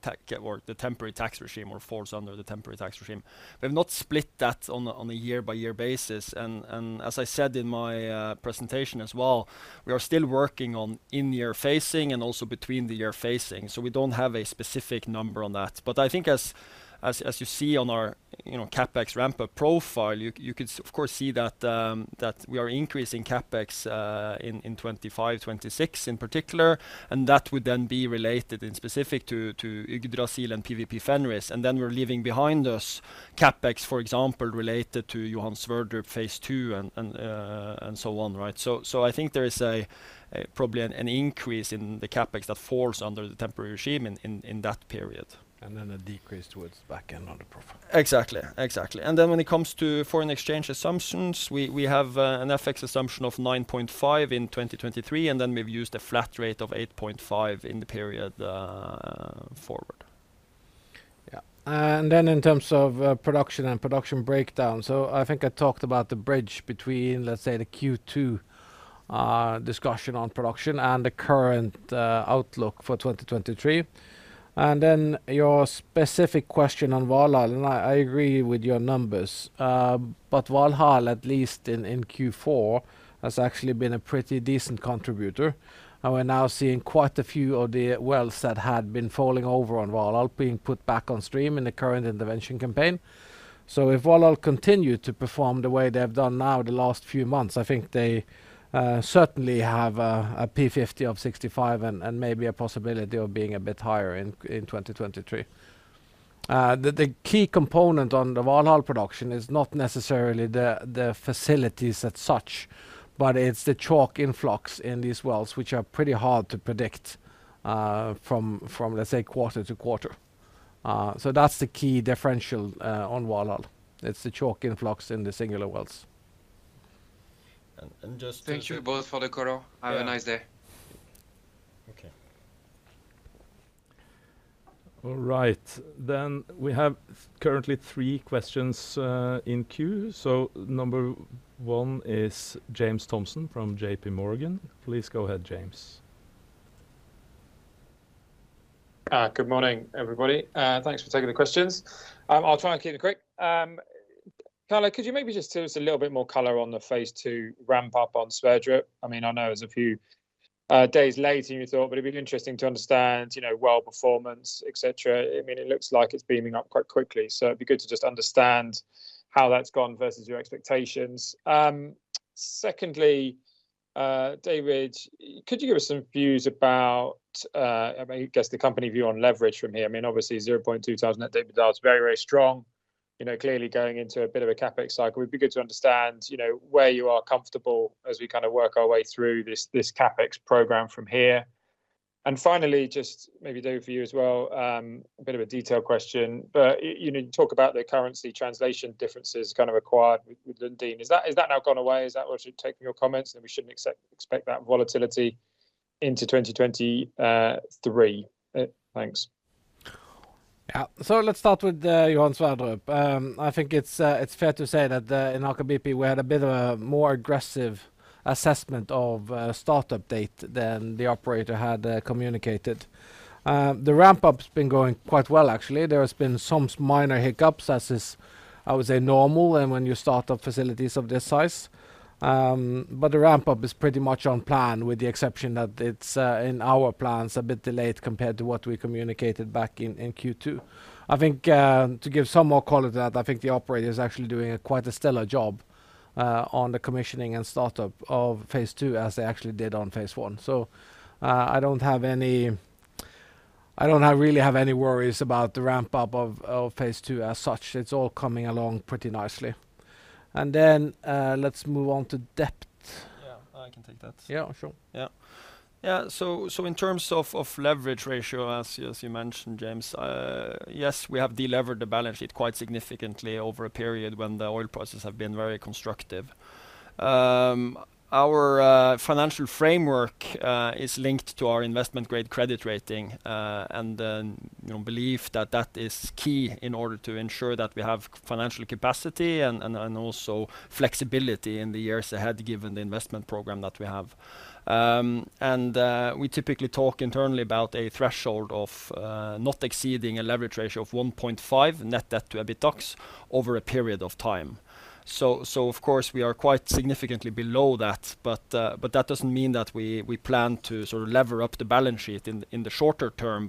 tech or the temporary tax regime, or falls under the temporary tax regime. We've not split that on a year-by-year basis. As I said in my presentation as well, we are still working on in-year phasing and also between the year phasing. We don't have a specific number on that. I think as you see on our, you know, CapEx ramp-up profile, you could of course see that we are increasing CapEx in 2025, 2026 in particular, and that would then be related in specific to Yggdrasil and PWP Fenris. We're leaving behind us CapEx, for example, related to Johan Sverdrup phase II and so on, right? So I think there is probably an increase in the CapEx that falls under the temporary regime in that period. A decrease towards back end load. Exactly, exactly. When it comes to foreign exchange assumptions, we have an FX assumption of 9.5 in 2023, and then we've used a flat rate of 8.5 in the period forward. Yeah. Then in terms of production and production breakdown, I think I talked about the bridge between, let's say, the Q2 discussion on production and the current outlook for 2023. Then your specific question on Valhall, I agree with your numbers. Valhall, at least in Q4, has actually been a pretty decent contributor. We're now seeing quite a few of the wells that had been falling over on Valhall being put back on stream in the current intervention campaign. If Valhall continue to perform the way they have done now the last few months, I think they certainly have a P50 of 65 and maybe a possibility of being a bit higher in 2023. The key component on the Valhall production is not necessarily the facilities as such, but it's the chalk influx in these wells, which are pretty hard to predict from, let's say, quarter to quarter. That's the key differential on Valhall. It's the chalk influx in the singular wells. And, and just- Thank you both for the color. Have a nice day. Okay. All right. We have currently three questions in queue. Number one is James Thompson from JPMorgan. Please go ahead, James. Good morning, everybody, thanks for taking the questions. I'll try and keep it quick. Karl, could you maybe just tell us a little bit more color on the phase II ramp up on Sverdrup? I mean, I know it's a few days later than you thought, but it'd be interesting to understand, you know, well performance, et cetera. I mean, it looks like it's beaming up quite quickly, so it'd be good to just understand how that's gone versus your expectations. Secondly, David, could you give us some views about, I guess, the company view on leverage from here? I mean, obviously 0.2 thousand at debt to EBITDAX is very, very strong. You know, clearly going into a bit of a CapEx cycle. It'd be good to understand, you know, where you are comfortable as we kind of work our way through this CapEx program from here. Finally, just maybe David for you as well, a bit of a detailed question, but, you know, you talk about the currency translation differences kind of required with Lundin. Is that now gone away? Is that what you take from your comments, and we shouldn't expect that volatility into 2023? Thanks. Let's start with Johan Sverdrup. I think it's fair to say that in Aker BP, we had a bit of a more aggressive assessment of start-up date than the operator had communicated. The ramp-up's been going quite well actually. There has been some minor hiccups as is, I would say, normal and when you start up facilities of this size. The ramp-up is pretty much on plan with the exception that it's in our plans a bit delayed compared to what we communicated back in Q-two. I think, to give some more color to that, I think the operator is actually doing a quite a stellar job on the commissioning and start-up of phase two as they actually did on phase one. I don't have any... I don't really have any worries about the ramp-up of phase II as such. It's all coming along pretty nicely. Then, let's move on to debt. Yeah. I can take that. Yeah, sure. In terms of leverage ratio, as you mentioned, James, yes, we have delevered the balance sheet quite significantly over a period when the oil prices have been very constructive. Our financial framework is linked to our investment-grade credit rating, and, you know, belief that that is key in order to ensure that we have financial capacity and also flexibility in the years ahead, given the investment program that we have. We typically talk internally about a threshold of not exceeding a leverage ratio of 1.5 net debt to EBITDAX over a period of time. Of course, we are quite significantly below that, but that doesn't mean that we plan to sort of lever up the balance sheet in the shorter term.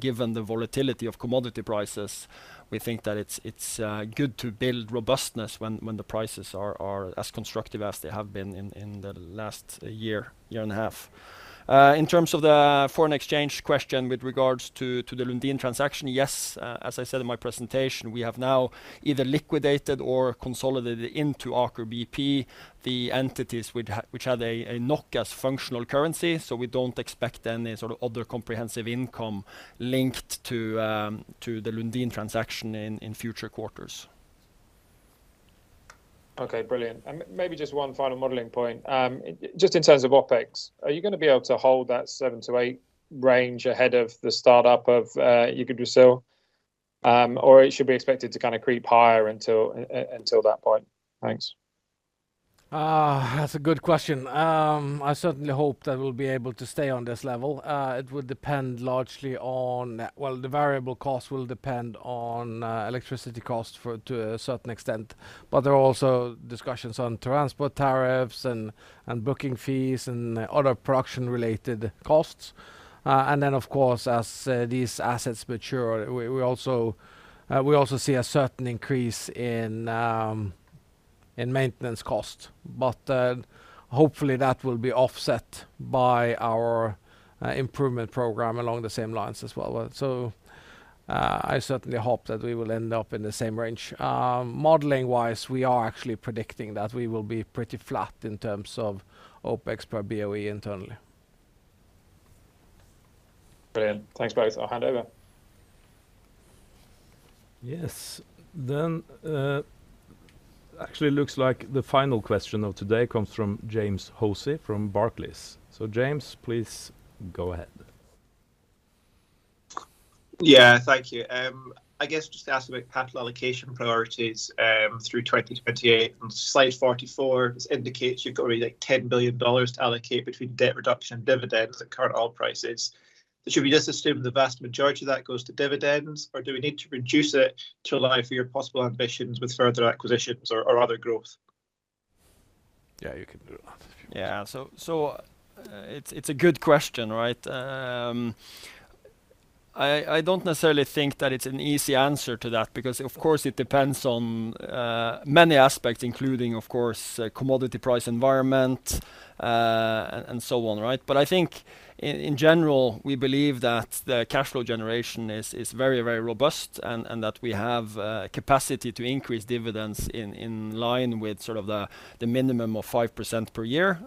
Given the volatility of commodity prices, we think that it's good to build robustness when the prices are as constructive as they have been in the last year and a half. In terms of the foreign exchange question with regards to the Lundin transaction, yes, as I said in my presentation, we have now either liquidated or consolidated into Aker BP the entities which had a NOK as functional currency, so we don't expect any sort of other comprehensive income linked to the Lundin transaction in future quarters. Okay, brilliant. Maybe just one final modeling point. Just in terms of OpEx, are you going to be able to hold that seven-eight range ahead of the start-up of Yggdrasil? Or it should be expected to kind of creep higher until that point? Thanks. That's a good question. I certainly hope that we'll be able to stay on this level. Well, the variable cost will depend on electricity costs to a certain extent, but there are also discussions on transport tariffs and booking fees and other production-related costs. Of course, as these assets mature, we also see a certain increase in maintenance cost. Hopefully, that will be offset by our improvement program along the same lines as well. Well, I certainly hope that we will end up in the same range. Modeling-wise, we are actually predicting that we will be pretty flat in terms of OpEx per BOE internally. Brilliant. Thanks both. I'll hand over. Yes. Actually looks like the final question of today comes from James Hosie from Barclays. James, please go ahead. Yeah. Thank you. I guess just to ask about capital allocation priorities through 2028. On slide 44, this indicates you've got only, like, $10 billion to allocate between debt reduction and dividends at current oil prices. Should we just assume the vast majority of that goes to dividends, or do we need to reduce it to allow for your possible ambitions with further acquisitions or other growth? Yeah, you can do that if you want. It's a good question, right? I don't necessarily think that it's an easy answer to that because, of course, it depends on many aspects, including, of course, commodity price environment and so on, right? I think in general, we believe that the cashflow generation is very robust and that we have capacity to increase dividends in line with sort of the minimum of 5% per year.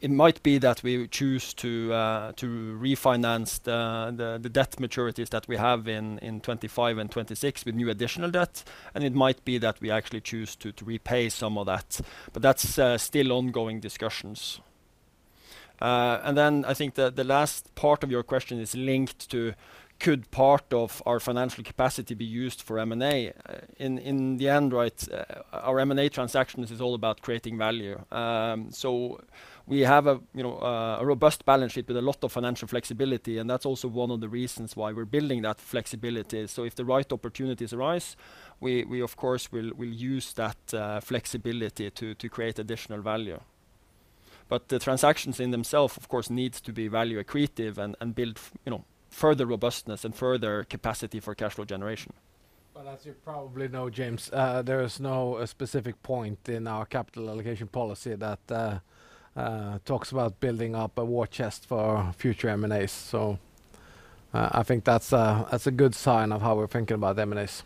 It might be that we choose to refinance the debt maturities that we have in 2025 and 2026 with new additional debt, and it might be that we actually choose to repay some of that. That's still ongoing discussions. Then I think the last part of your question is linked to could part of our financial capacity be used for M&A? In the end, right, our M&A transactions is all about creating value. We have a, you know, a robust balance sheet with a lot of financial flexibility, and that's also one of the reasons why we're building that flexibility. If the right opportunities arise, we of course will use that flexibility to create additional value. The transactions in themself, of course, needs to be value accretive and build, you know, further robustness and further capacity for cashflow generation. As you probably know, James, there is no specific point in our capital allocation policy that talks about building up a war chest for future M&As. I think that's a, that's a good sign of how we're thinking about M&As.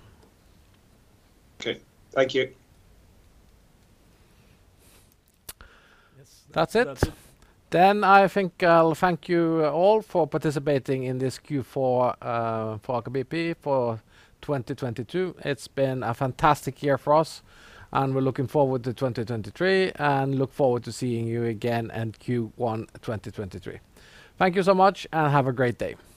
Okay. Thank you. Yes. That's it. That's it. I think I'll thank you all for participating in this Q4, for Aker BP for 2022. It's been a fantastic year for us. We're looking forward to 2023 and look forward to seeing you again in Q1 2023. Thank you so much, and have a great day.